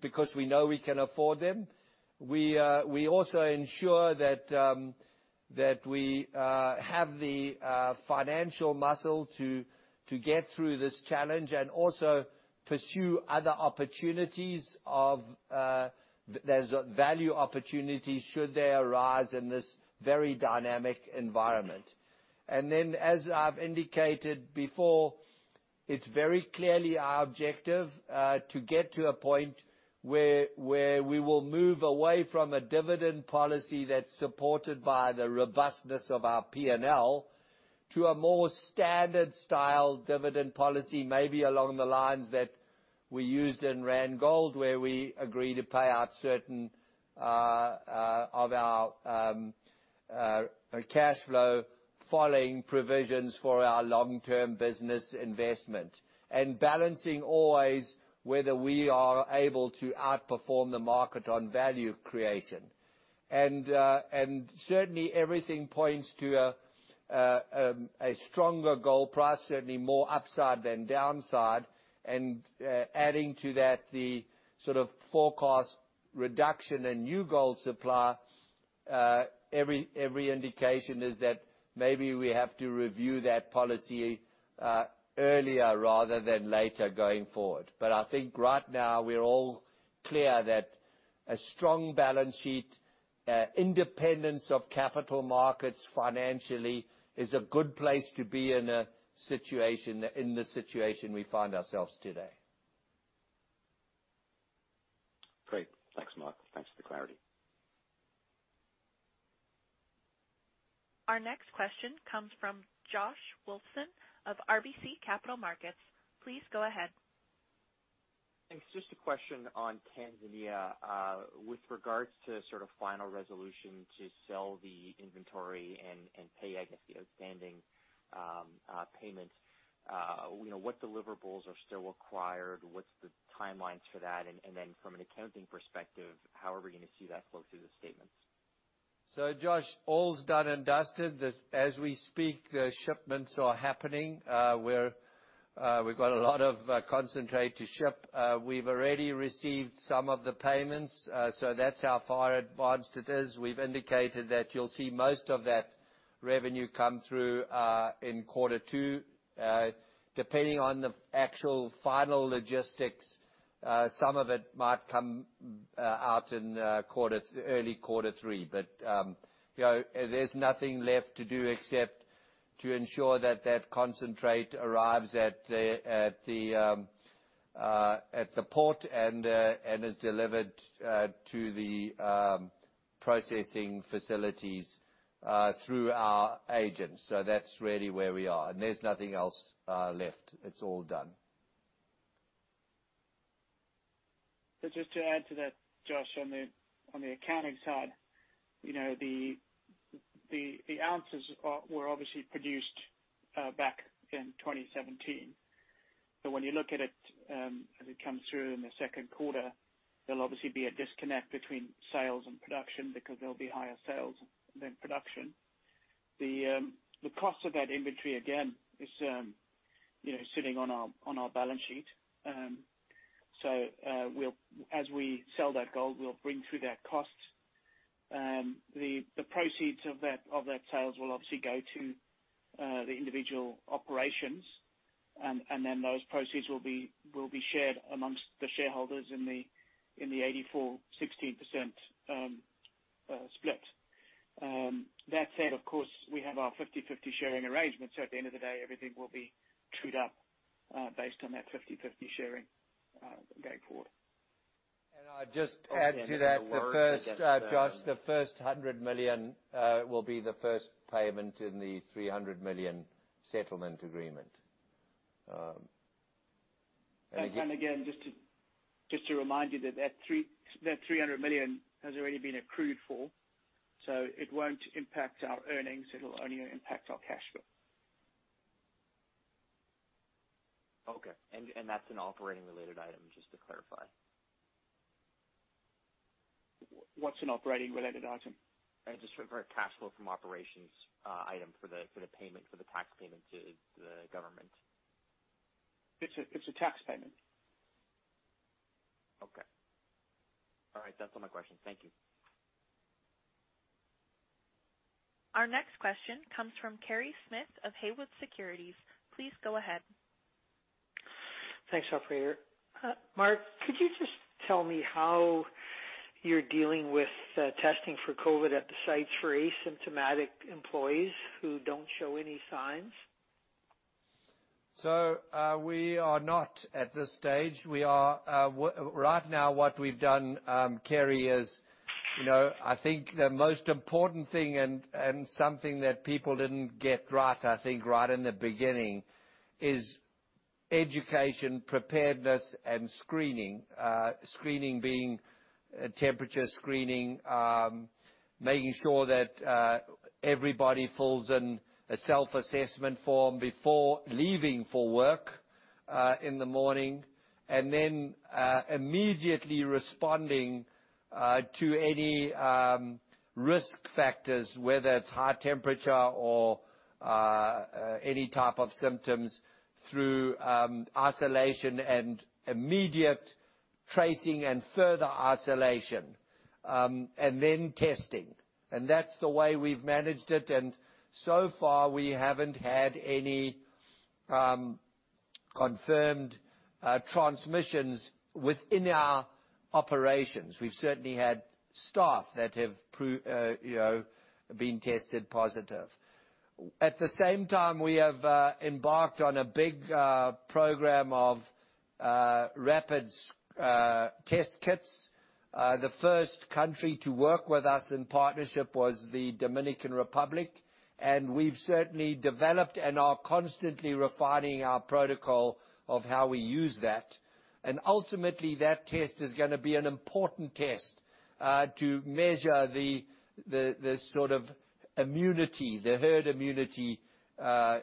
because we know we can afford them. We also ensure that we have the financial muscle to get through this challenge and also pursue other opportunities. There's value opportunities should they arise in this very dynamic environment. As I've indicated before, it's very clearly our objective to get to a point where we will move away from a dividend policy that's supported by the robustness of our P&L to a more standard style dividend policy, maybe along the lines that we used in Randgold, where we agreed to pay out certain of our cash flow following provisions for our long-term business investment. Balancing always whether we are able to outperform the market on value creation. Certainly, everything points to a stronger gold price, certainly more upside than downside. Adding to that, the sort of forecast reduction in new gold supply, every indication is that maybe we have to review that policy earlier rather than later going forward. I think right now we are all clear that a strong balance sheet, independence of capital markets financially is a good place to be in the situation we find ourselves today.
Great. Thanks, Mark. Thanks for the clarity.
Our next question comes from Josh Wolfson of RBC Capital Markets. Please go ahead.
Thanks. Just a question on Tanzania. With regards to sort of final resolution to sell the inventory and pay, I guess, the outstanding payments, what deliverables are still required? What's the timelines for that? From an accounting perspective, how are we going to see that flow through the statements?
Josh, all's done and dusted. As we speak, the shipments are happening. We've got a lot of concentrate to ship. We've already received some of the payments, that's how far advanced it is. We've indicated that you'll see most of that revenue come through in quarter two. Depending on the actual final logistics, some of it might come out in early quarter three. There's nothing left to do except to ensure that that concentrate arrives at the port and is delivered to the processing facilities through our agents. That's really where we are, and there's nothing else left. It's all done.
Just to add to that, Josh, on the accounting side, the ounces were obviously produced back in 2017. When you look at it as it comes through in the second quarter, there will obviously be a disconnect between sales and production because there will be higher sales than production. The cost of that inventory, again, is sitting on our balance sheet. As we sell that gold, we will bring through that cost. The proceeds of that sales will obviously go to the individual operations, and then those proceeds will be shared amongst the shareholders in the 84%/16% split. That said, of course, we have our 50/50 sharing arrangement, so at the end of the day, everything will be trued up based on that 50/50 sharing going forward.
I'd just add to that.
Okay.
Josh, the first $100 million will be the first payment in the $300 million settlement agreement.
Again, just to remind you that that $300 million has already been accrued for, so it won't impact our earnings. It'll only impact our cash flow.
Okay. That's an operating-related item, just to clarify.
What's an operating-related item?
Just for a cash flow from operations item for the payment, for the tax payment to the government.
It's a tax payment.
Okay. All right. That's all my questions. Thank you.
Our next question comes from Kerry Smith of Haywood Securities. Please go ahead.
Thanks, operator. Mark, could you just tell me how you're dealing with testing for COVID at the sites for asymptomatic employees who don't show any signs?
We are not at this stage. Right now what we've done, Kerry, is I think the most important thing and something that people didn't get right, I think, right in the beginning, is education, preparedness, and screening. Screening being temperature screening, making sure that everybody fills in a self-assessment form before leaving for work in the morning, and then immediately responding to any risk factors, whether it's high temperature or any type of symptoms through isolation and immediate tracing and further isolation, and then testing. That's the way we've managed it, and so far we haven't had any confirmed transmissions within our operations. We've certainly had staff that have been tested positive. At the same time, we have embarked on a big program of rapid test kits. The first country to work with us in partnership was the Dominican Republic, and we've certainly developed and are constantly refining our protocol of how we use that. Ultimately that test is going to be an important test to measure the herd immunity going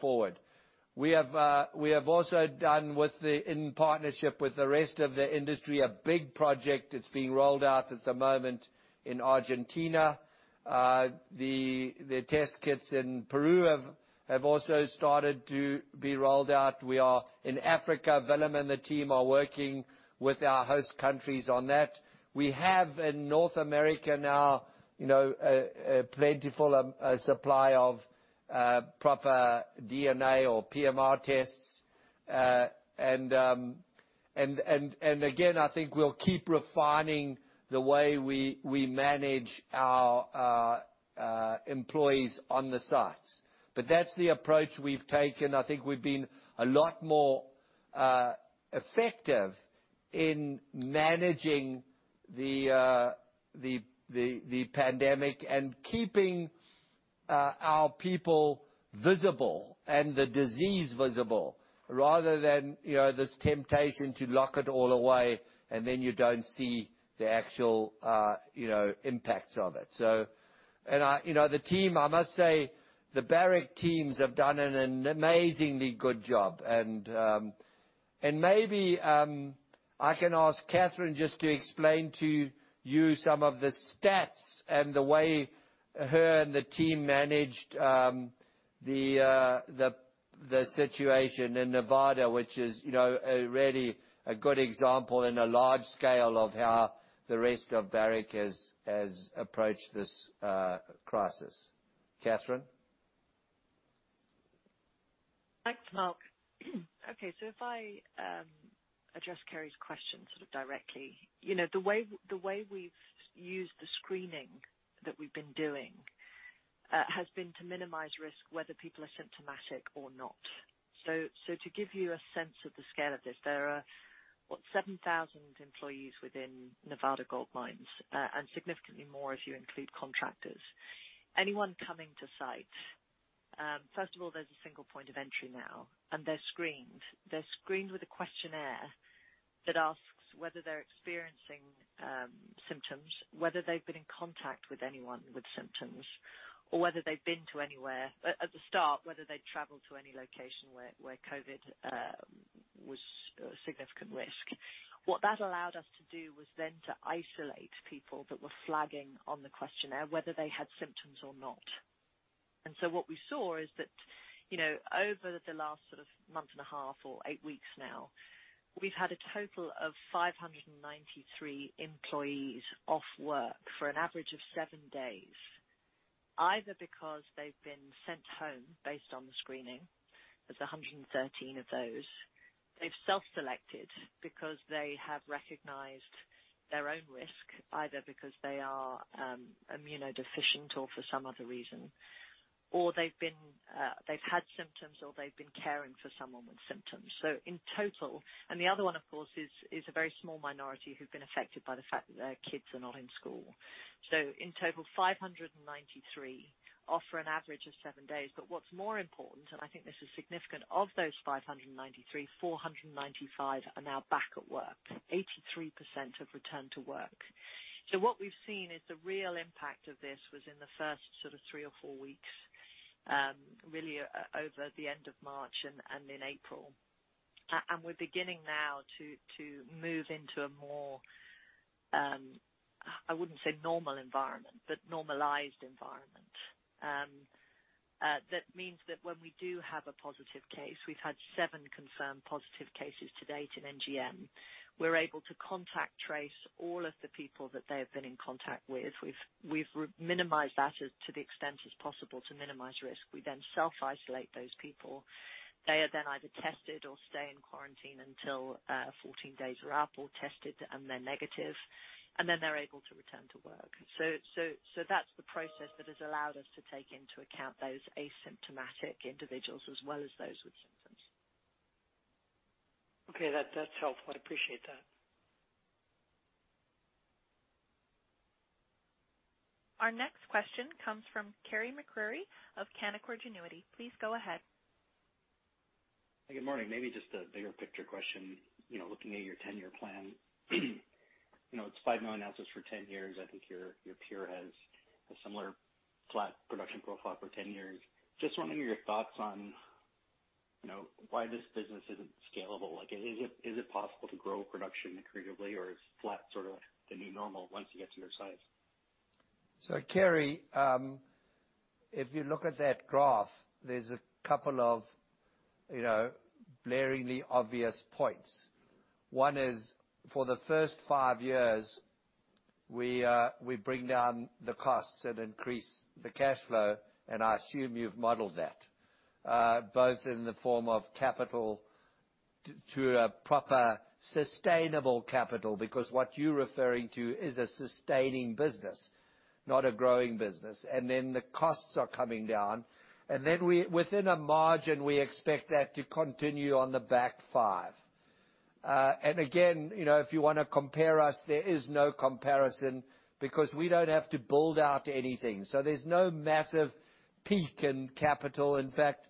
forward. We have also done in partnership with the rest of the industry, a big project. It's being rolled out at the moment in Argentina. The test kits in Peru have also started to be rolled out. In Africa, Willem and the team are working with our host countries on that. We have in North America now a plentiful supply of proper DNA or PCR tests. Again, I think we'll keep refining the way we manage our employees on the sites. That's the approach we've taken. I think we've been a lot more effective in managing the pandemic and keeping our people visible and the disease visible rather than this temptation to lock it all away and then you don't see the actual impacts of it. I must say, the Barrick teams have done an amazingly good job. Maybe I can ask Catherine just to explain to you some of the stats and the way her and the team managed the situation in Nevada, which is a really good example in a large scale of how the rest of Barrick has approached this crisis. Catherine?
Thanks, Mark. Okay. If I address Kerry's question sort of directly. The way we've used the screening that we've been doing has been to minimize risk, whether people are symptomatic or not. To give you a sense of the scale of this, there are 7,000 employees within Nevada Gold Mines, and significantly more if you include contractors. Anyone coming to site, first of all, there's a single point of entry now, and they're screened. They're screened with a questionnaire that asks whether they're experiencing symptoms, whether they've been in contact with anyone with symptoms, or whether they've been to anywhere at the start, whether they'd traveled to any location where COVID was a significant risk. What that allowed us to do was then to isolate people that were flagging on the questionnaire, whether they had symptoms or not. What we saw is that over the last sort of month and a half or eight weeks now, we've had a total of 593 employees off work for an average of seven days, either because they've been sent home based on the screening. There's 113 of those. They've self-selected because they have recognized their own risk, either because they are immunodeficient or for some other reason. Or they've had symptoms or they've been caring for someone with symptoms. In total, and the other one, of course, is a very small minority who've been affected by the fact that their kids are not in school. In total, 593 off for an average of seven days. What's more important, and I think this is significant, of those 593, 495 are now back at work. 83% have returned to work. What we've seen is the real impact of this was in the first sort of three or four weeks, really over the end of March and in April. We're beginning now to move into a more, I wouldn't say normal environment, but normalized environment. That means that when we do have a positive case, we've had seven confirmed positive cases to date in NGM. We're able to contact trace all of the people that they have been in contact with. We've minimized that to the extent as possible to minimize risk. We then self-isolate those people. They are then either tested or stay in quarantine until 14 days are up or tested and they're negative, they're able to return to work. That's the process that has allowed us to take into account those asymptomatic individuals as well as those with symptoms.
Okay, that's helpful. I appreciate that.
Our next question comes from Carey MacRury of Canaccord Genuity. Please go ahead.
Good morning. Maybe just a bigger picture question. Looking at your 10-year plan, it's 5 million ounces for 10 years. I think your peer has a similar flat production profile for 10 years. Just want to hear your thoughts on why this business isn't scalable. Is it possible to grow production creatively or is flat sort of the new normal once you get to your size?
Carey, if you look at that graph, there's a couple of blaringly obvious points. One is for the first five years, we bring down the costs and increase the cash flow, and I assume you've modeled that, both in the form of capital to a proper sustainable capital, because what you're referring to is a sustaining business, not a growing business. The costs are coming down. Within a margin, we expect that to continue on the back five. If you want to compare us, there is no comparison because we don't have to build out anything. There's no massive peak in capital. In fact,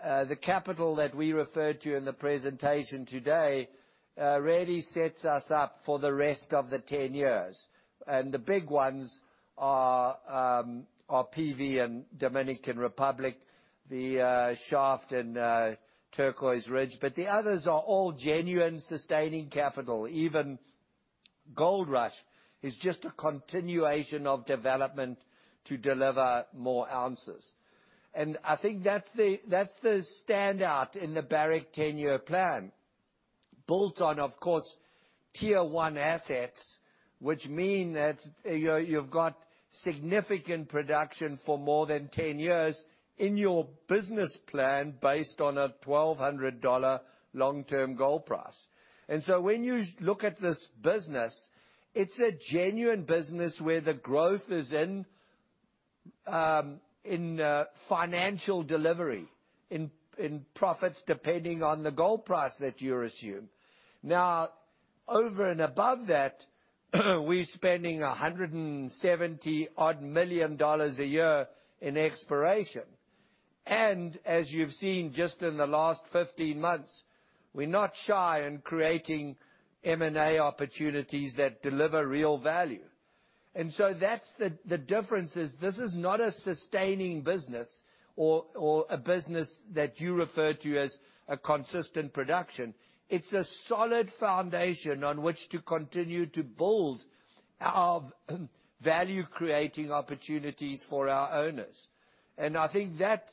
the capital that we referred to in the presentation today already sets us up for the rest of the 10 years. The big ones are PV and Dominican Republic, the shaft in Turquoise Ridge. The others are all genuine sustaining capital. Even Goldrush is just a continuation of development to deliver more ounces. I think that's the standout in the Barrick 10-year plan, built on, of course, Tier One assets, which mean that you've got significant production for more than 10 years in your business plan based on a $1,200 long-term gold price. When you look at this business, it's a genuine business where the growth is in financial delivery, in profits depending on the gold price that you assume. Now, over and above that, we're spending $170-odd million a year in exploration. As you've seen just in the last 15 months, we're not shy in creating M&A opportunities that deliver real value. That's the difference is this is not a sustaining business or a business that you refer to as a consistent production. It's a solid foundation on which to continue to build our value-creating opportunities for our owners. I think that,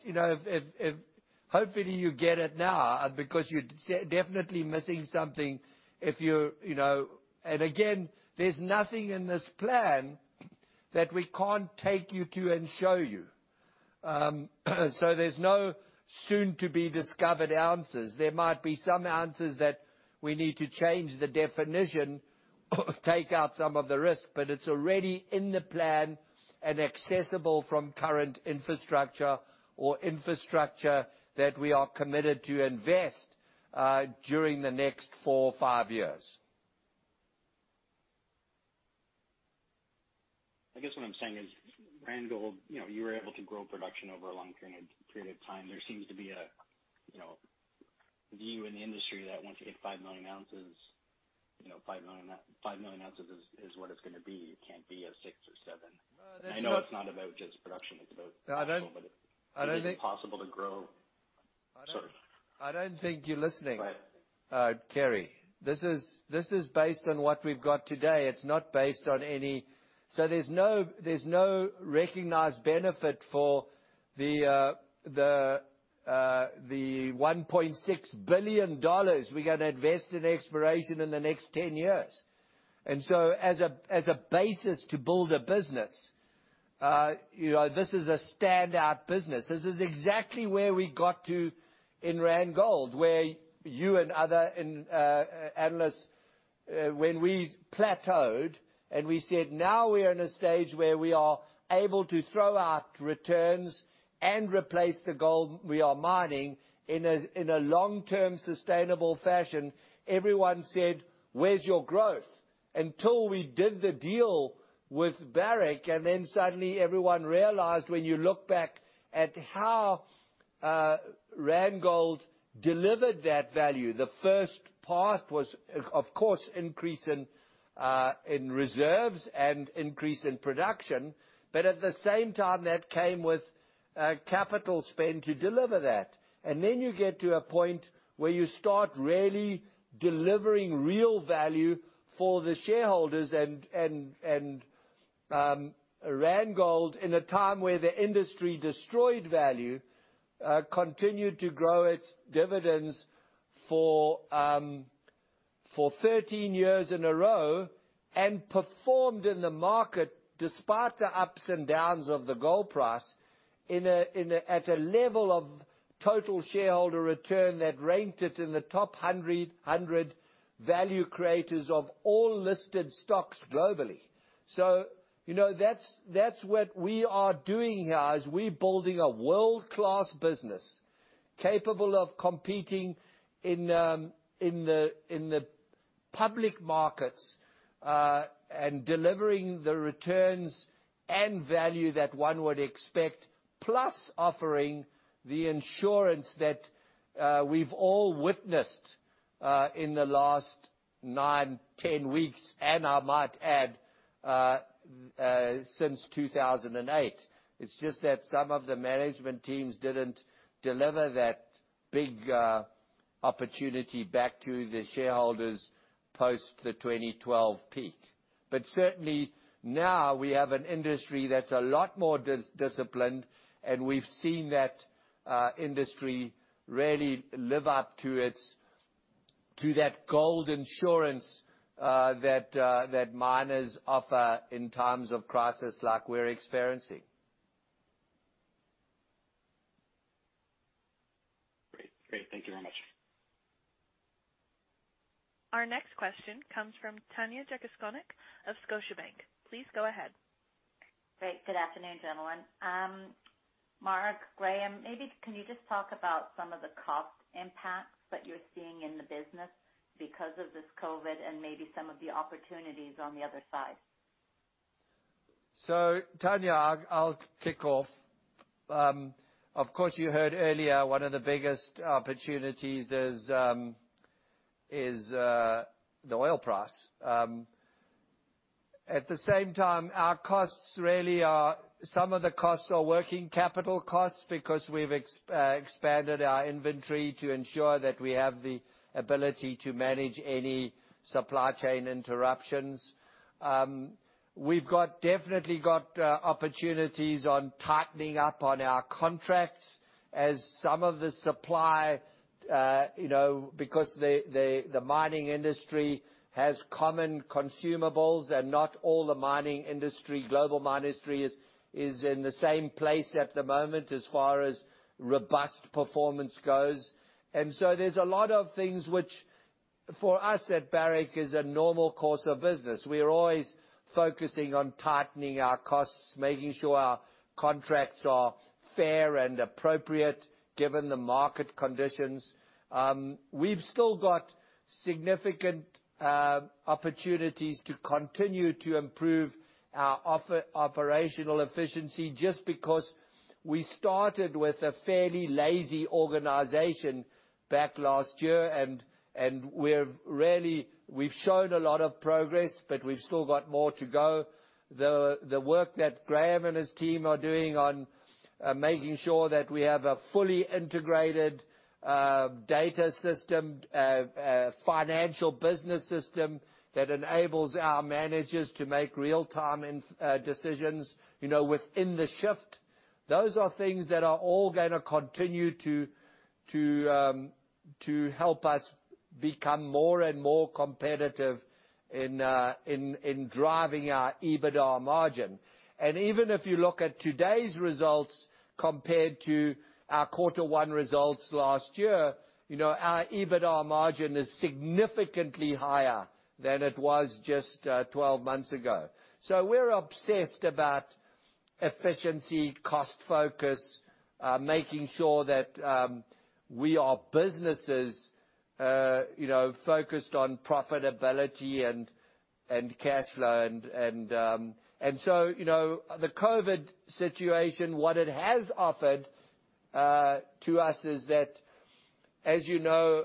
hopefully, you get it now because you're definitely missing something. There's nothing in this plan that we can't take you to and show you. There's no soon-to-be-discovered ounces. There might be some ounces that we need to change the definition or take out some of the risk. It's already in the plan and accessible from current infrastructure or infrastructure that we are committed to invest during the next four or five years.
I guess what I'm saying is Randgold, you were able to grow production over a long period of time. There seems to be a view in the industry that once you hit 5 million ounces, 5 million ounces is what it's going to be. It can't be a 6 million or 7 million.
That's not-
I know it's not about just production.
No, I don't-
Is it possible to grow? Sorry.
I don't think you're listening.
Right.
Carey. This is based on what we've got today. It's not based on any. There's no recognized benefit for the $1.6 billion we're going to invest in exploration in the next 10 years. As a basis to build a business, this is a standout business. This is exactly where we got to in Randgold, where you and other analysts, when we plateaued and we said, "Now we're in a stage where we are able to throw out returns and replace the gold we are mining in a long-term sustainable fashion," everyone said, "Where's your growth?" Until we did the deal with Barrick, then suddenly everyone realized when you look back at how Randgold delivered that value. The first part was, of course, increase in reserves and increase in production. At the same time, that came with capital spend to deliver that. Then you get to a point where you start really delivering real value for the shareholders, and Randgold, in a time where the industry destroyed value, continued to grow its dividends for 13 years in a row and performed in the market despite the ups and downs of the gold price, at a level of total shareholder return that ranked it in the top 100 value creators of all listed stocks globally. That's what we are doing here, is we're building a world-class business capable of competing in the public markets, and delivering the returns and value that one would expect, plus offering the insurance that we've all witnessed in the last nine, 10 weeks, and I might add, since 2008. It's just that some of the management teams didn't deliver that big opportunity back to the shareholders post the 2012 peak. Certainly now we have an industry that's a lot more disciplined, and we've seen that industry really live up to that gold insurance that miners offer in times of crisis like we're experiencing.
Great. Thank you very much.
Our next question comes from Tanya Jakusconek of Scotiabank. Please go ahead.
Great. Good afternoon, gentlemen. Mark, Graham, maybe can you just talk about some of the cost impacts that you're seeing in the business because of this COVID, and maybe some of the opportunities on the other side.
Tanya, I'll kick off. Of course, you heard earlier, one of the biggest opportunities is the oil price. At the same time, some of the costs are working capital costs because we've expanded our inventory to ensure that we have the ability to manage any supply chain interruptions. We've definitely got opportunities on tightening up on our contracts as some of the supply, because the mining industry has common consumables and not all the global mining industry is in the same place at the moment as far as robust performance goes. There's a lot of things which for us at Barrick is a normal course of business. We are always focusing on tightening our costs, making sure our contracts are fair and appropriate given the market conditions. We've still got significant opportunities to continue to improve our operational efficiency just because we started with a fairly lazy organization back last year, and we've shown a lot of progress, but we've still got more to go. The work that Graham and his team are doing on making sure that we have a fully integrated data system, financial business system that enables our managers to make real time decisions within the shift. Those are things that are all going to continue to help us become more and more competitive in driving our EBITDA margin. Even if you look at today's results compared to our quarter one results last year, our EBITDA margin is significantly higher than it was just 12 months ago. We're obsessed about efficiency, cost focus, making sure that we are businesses focused on profitability and cash flow. The COVID situation, what it has offered to us is that, as you know,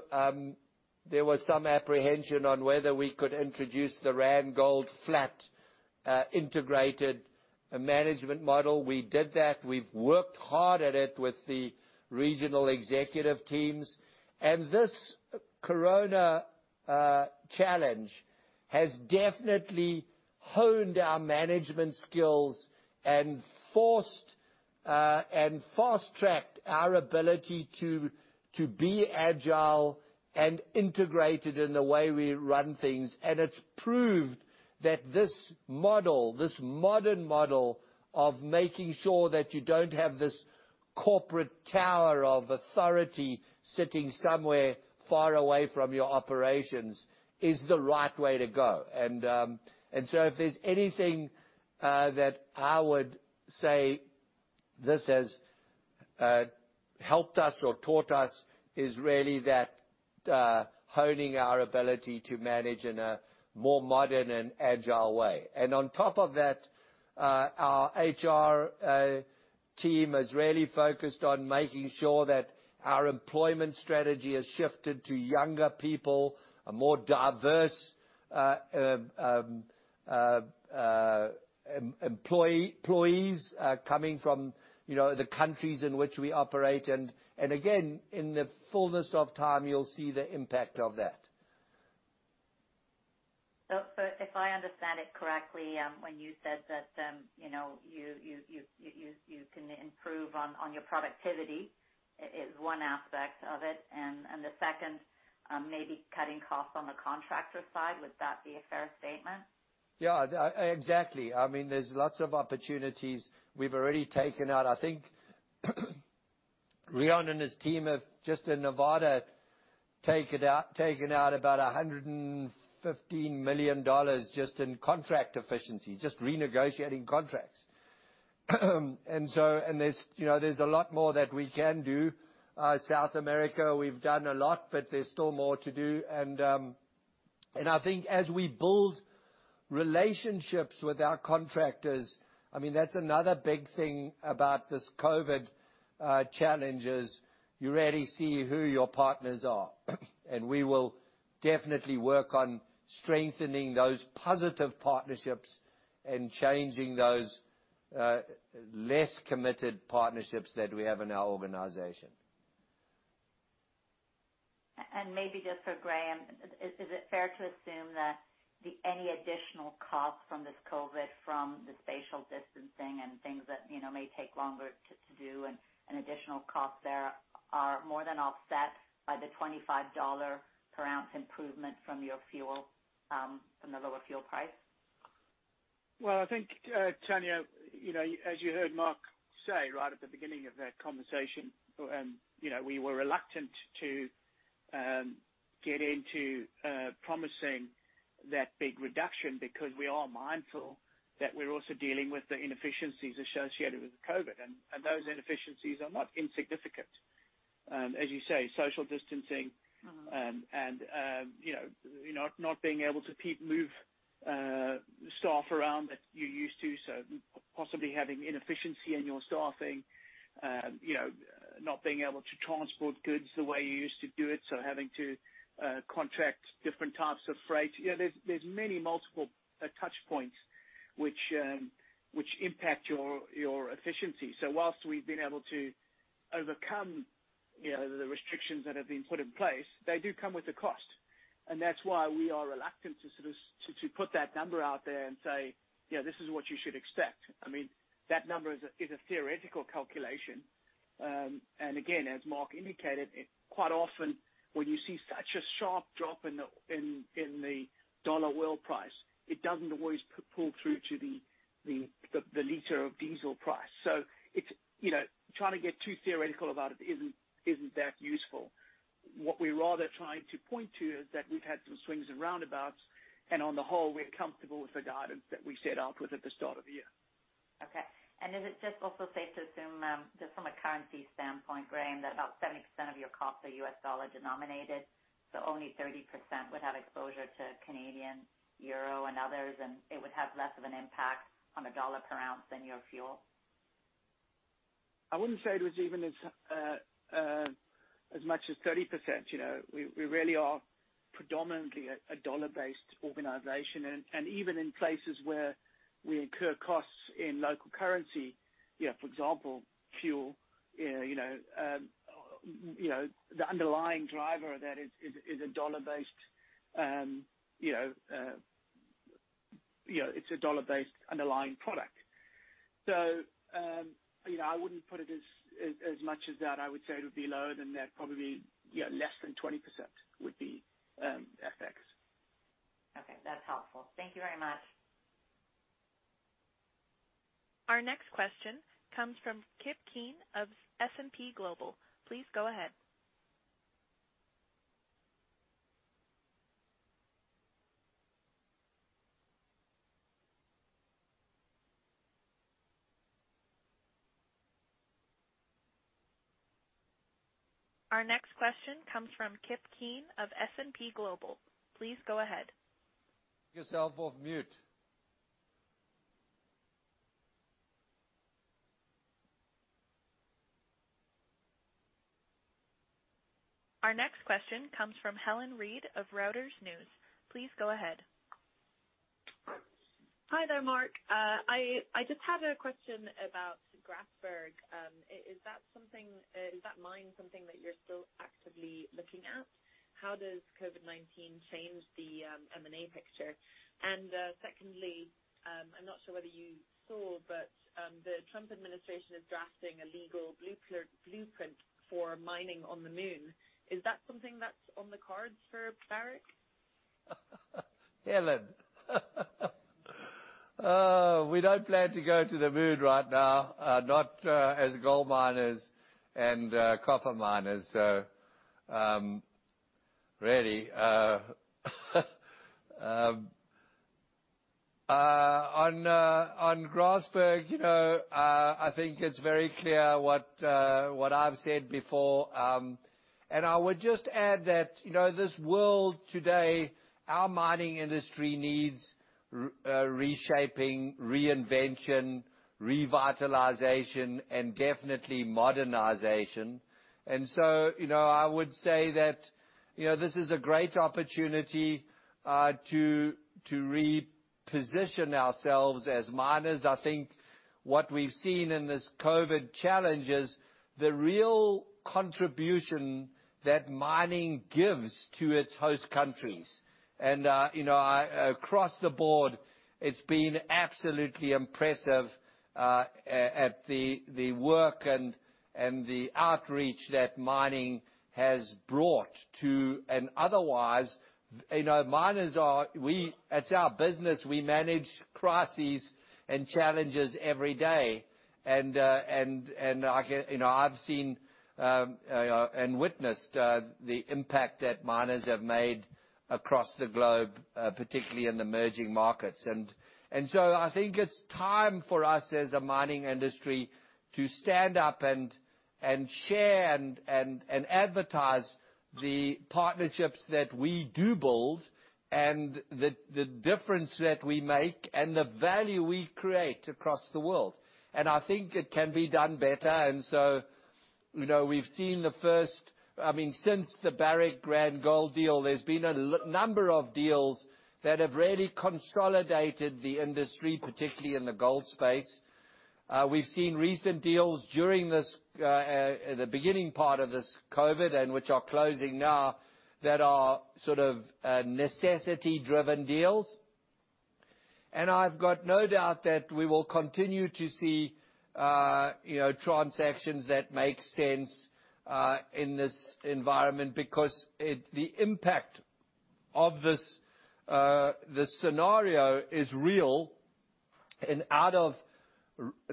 there was some apprehension on whether we could introduce the Randgold flat integrated management model. We did that. We've worked hard at it with the regional executive teams. This coronavirus challenge has definitely honed our management skills and fast-tracked our ability to be agile and integrated in the way we run things. It's proved that this model, this modern model of making sure that you don't have this corporate tower of authority sitting somewhere far away from your operations is the right way to go. If there's anything that I would say this has helped us or taught us is really that honing our ability to manage in a more modern and agile way. On top of that, our HR team has really focused on making sure that our employment strategy has shifted to younger people, a more diverse employees coming from the countries in which we operate. Again, in the fullness of time, you'll see the impact of that.
If I understand it correctly, when you said that you can improve on your productivity is one aspect of it, and the second, maybe cutting costs on the contractor side. Would that be a fair statement?
Yeah. Exactly. There's lots of opportunities we've already taken out. I think Riaan and his team have just in Nevada taken out about $115 million just in contract efficiency, just renegotiating contracts. There's a lot more that we can do. South America, we've done a lot, but there's still more to do. I think as we build relationships with our contractors, that's another big thing about this COVID challenge is you really see who your partners are. We will definitely work on strengthening those positive partnerships and changing those less committed partnerships that we have in our organization.
Maybe just for Graham, is it fair to assume that any additional cost from this COVID, from the spatial distancing and things that may take longer to do and additional cost there are more than offset by the $25 per ounce improvement from your fuel, from the lower fuel price?
Well, I think, Tanya, as you heard Mark say right at the beginning of that conversation, we were reluctant to get into promising that big reduction because we are mindful that we're also dealing with the inefficiencies associated with COVID, and those inefficiencies are not insignificant. As you say, social distancing and not being able to move staff around that you're used to, so possibly having inefficiency in your staffing. Not being able to transport goods the way you used to do it, so having to contract different types of freight. There's many multiple touch points which impact your efficiency. Whilst we've been able to overcome the restrictions that have been put in place, they do come with a cost. That's why we are reluctant to put that number out there and say, "Yeah, this is what you should expect." That number is a theoretical calculation. Again, as Mark indicated, quite often when you see such a sharp drop in the dollar oil price, it doesn't always pull through to the liter of diesel price. Trying to get too theoretical about it isn't that useful. What we're rather trying to point to is that we've had some swings and roundabouts, and on the whole, we're comfortable with the guidance that we set out with at the start of the year.
Okay. Is it just also safe to assume, just from a currency standpoint, Graham, that about 70% of your costs are US dollar-denominated, so only 30% would have exposure to Canadian, euro, and others, and it would have less of an impact on a dollar per ounce than your fuel?
I wouldn't say it was even as much as 30%. We really are predominantly a dollar-based organization. Even in places where we incur costs in local currency, for example, fuel, the underlying driver of that is a dollar-based underlying product. I wouldn't put it as much as that. I would say it would be lower than that, probably less than 20% would be FX.
Okay. That's helpful. Thank you very much.
Our next question comes from Kip Keen of S&P Global. Please go ahead.
Take yourself off mute.
Our next question comes from Helen Reid of Reuters News. Please go ahead.
Hi there, Mark. I just had a question about Grasberg. Is that mine something that you're still actively looking at? How does COVID-19 change the M&A picture? Secondly, I'm not sure whether you saw, but the Trump administration is drafting a legal blueprint for mining on the moon. Is that something that's on the cards for Barrick?
Helen. We don't plan to go to the moon right now, not as gold miners and copper miners, really. On Grasberg, I think it's very clear what I've said before. I would just add that this world today, our mining industry needs reshaping, reinvention, revitalization, and definitely modernization. I would say that this is a great opportunity to reposition ourselves as miners. I think what we've seen in this COVID-19 challenge is the real contribution that mining gives to its host countries. Across the board, it's been absolutely impressive at the work and the outreach that mining has brought to miners, it's our business. We manage crises and challenges every day. I've seen and witnessed the impact that miners have made across the globe, particularly in emerging markets. I think it's time for us as a mining industry to stand up and share and advertise the partnerships that we do build and the difference that we make and the value we create across the world. I think it can be done better. We've seen since the Barrick Gold deal, there's been a number of deals that have really consolidated the industry, particularly in the gold space. We've seen recent deals during the beginning part of this COVID, and which are closing now, that are sort of necessity-driven deals. I've got no doubt that we will continue to see transactions that make sense in this environment because the impact of this scenario is real. Out of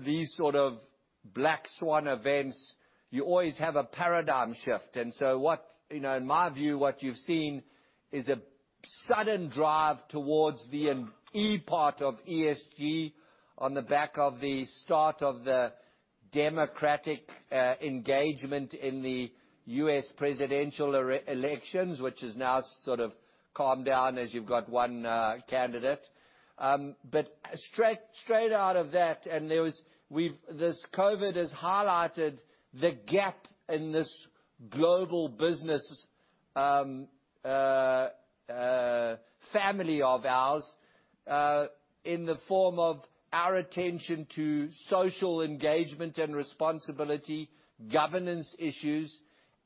these sort of black swan events, you always have a paradigm shift. In my view, what you've seen is a sudden drive towards the E part of ESG on the back of the start of the Democratic engagement in the U.S. presidential elections, which has now sort of calmed down as you've got one candidate. Straight out of that, and this COVID has highlighted the gap in this global business family of ours, in the form of our attention to social engagement and responsibility, governance issues,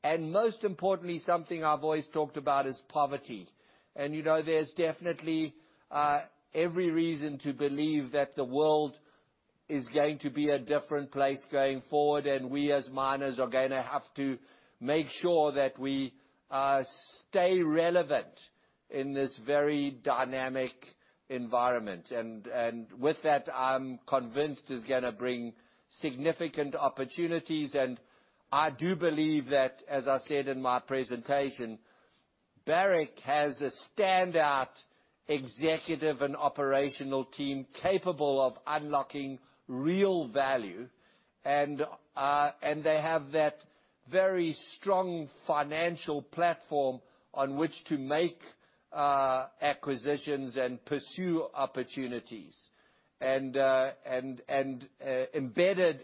and most importantly, something I've always talked about is poverty. There's definitely every reason to believe that the world is going to be a different place going forward, and we, as miners, are going to have to make sure that we stay relevant in this very dynamic environment. With that, I'm convinced it's going to bring significant opportunities. I do believe that, as I said in my presentation, Barrick has a standout executive and operational team capable of unlocking real value, and they have that very strong financial platform on which to make acquisitions and pursue opportunities. Embedded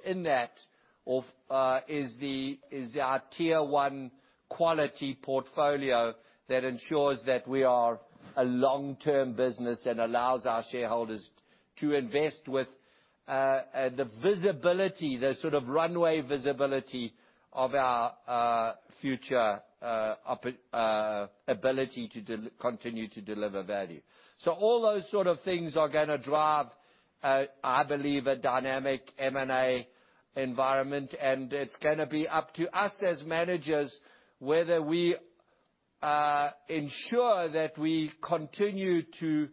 in that is our Tier One quality portfolio that ensures that we are a long-term business and allows our shareholders to invest with the visibility, the sort of runway visibility of our future ability to continue to deliver value. All those sort of things are going to drive, I believe, a dynamic M&A environment, and it's going to be up to us as managers whether we ensure that we continue to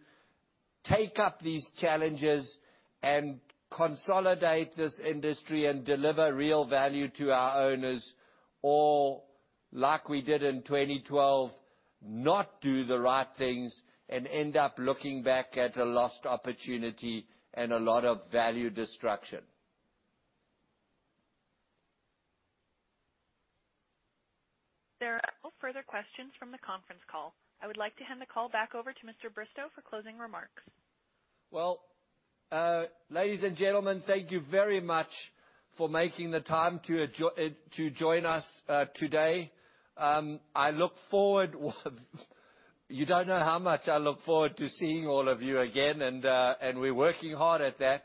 take up these challenges and consolidate this industry and deliver real value to our owners, or like we did in 2012, not do the right things and end up looking back at a lost opportunity and a lot of value destruction.
There are no further questions from the conference call. I would like to hand the call back over to Mr. Bristow for closing remarks.
Well, ladies and gentlemen, thank you very much for making the time to join us today. You don't know how much I look forward to seeing all of you again. We're working hard at that.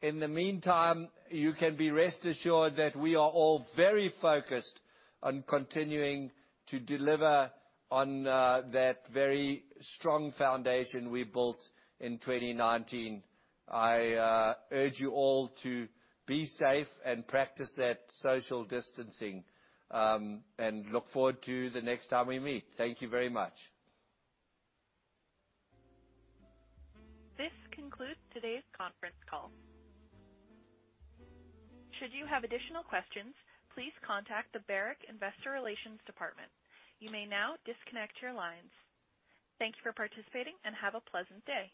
In the meantime, you can be rest assured that we are all very focused on continuing to deliver on that very strong foundation we built in 2019. I urge you all to be safe and practice that social distancing. Look forward to the next time we meet. Thank you very much.
This concludes today's conference call. Should you have additional questions, please contact the Barrick Investor Relations Department. You may now disconnect your lines. Thank you for participating, and have a pleasant day.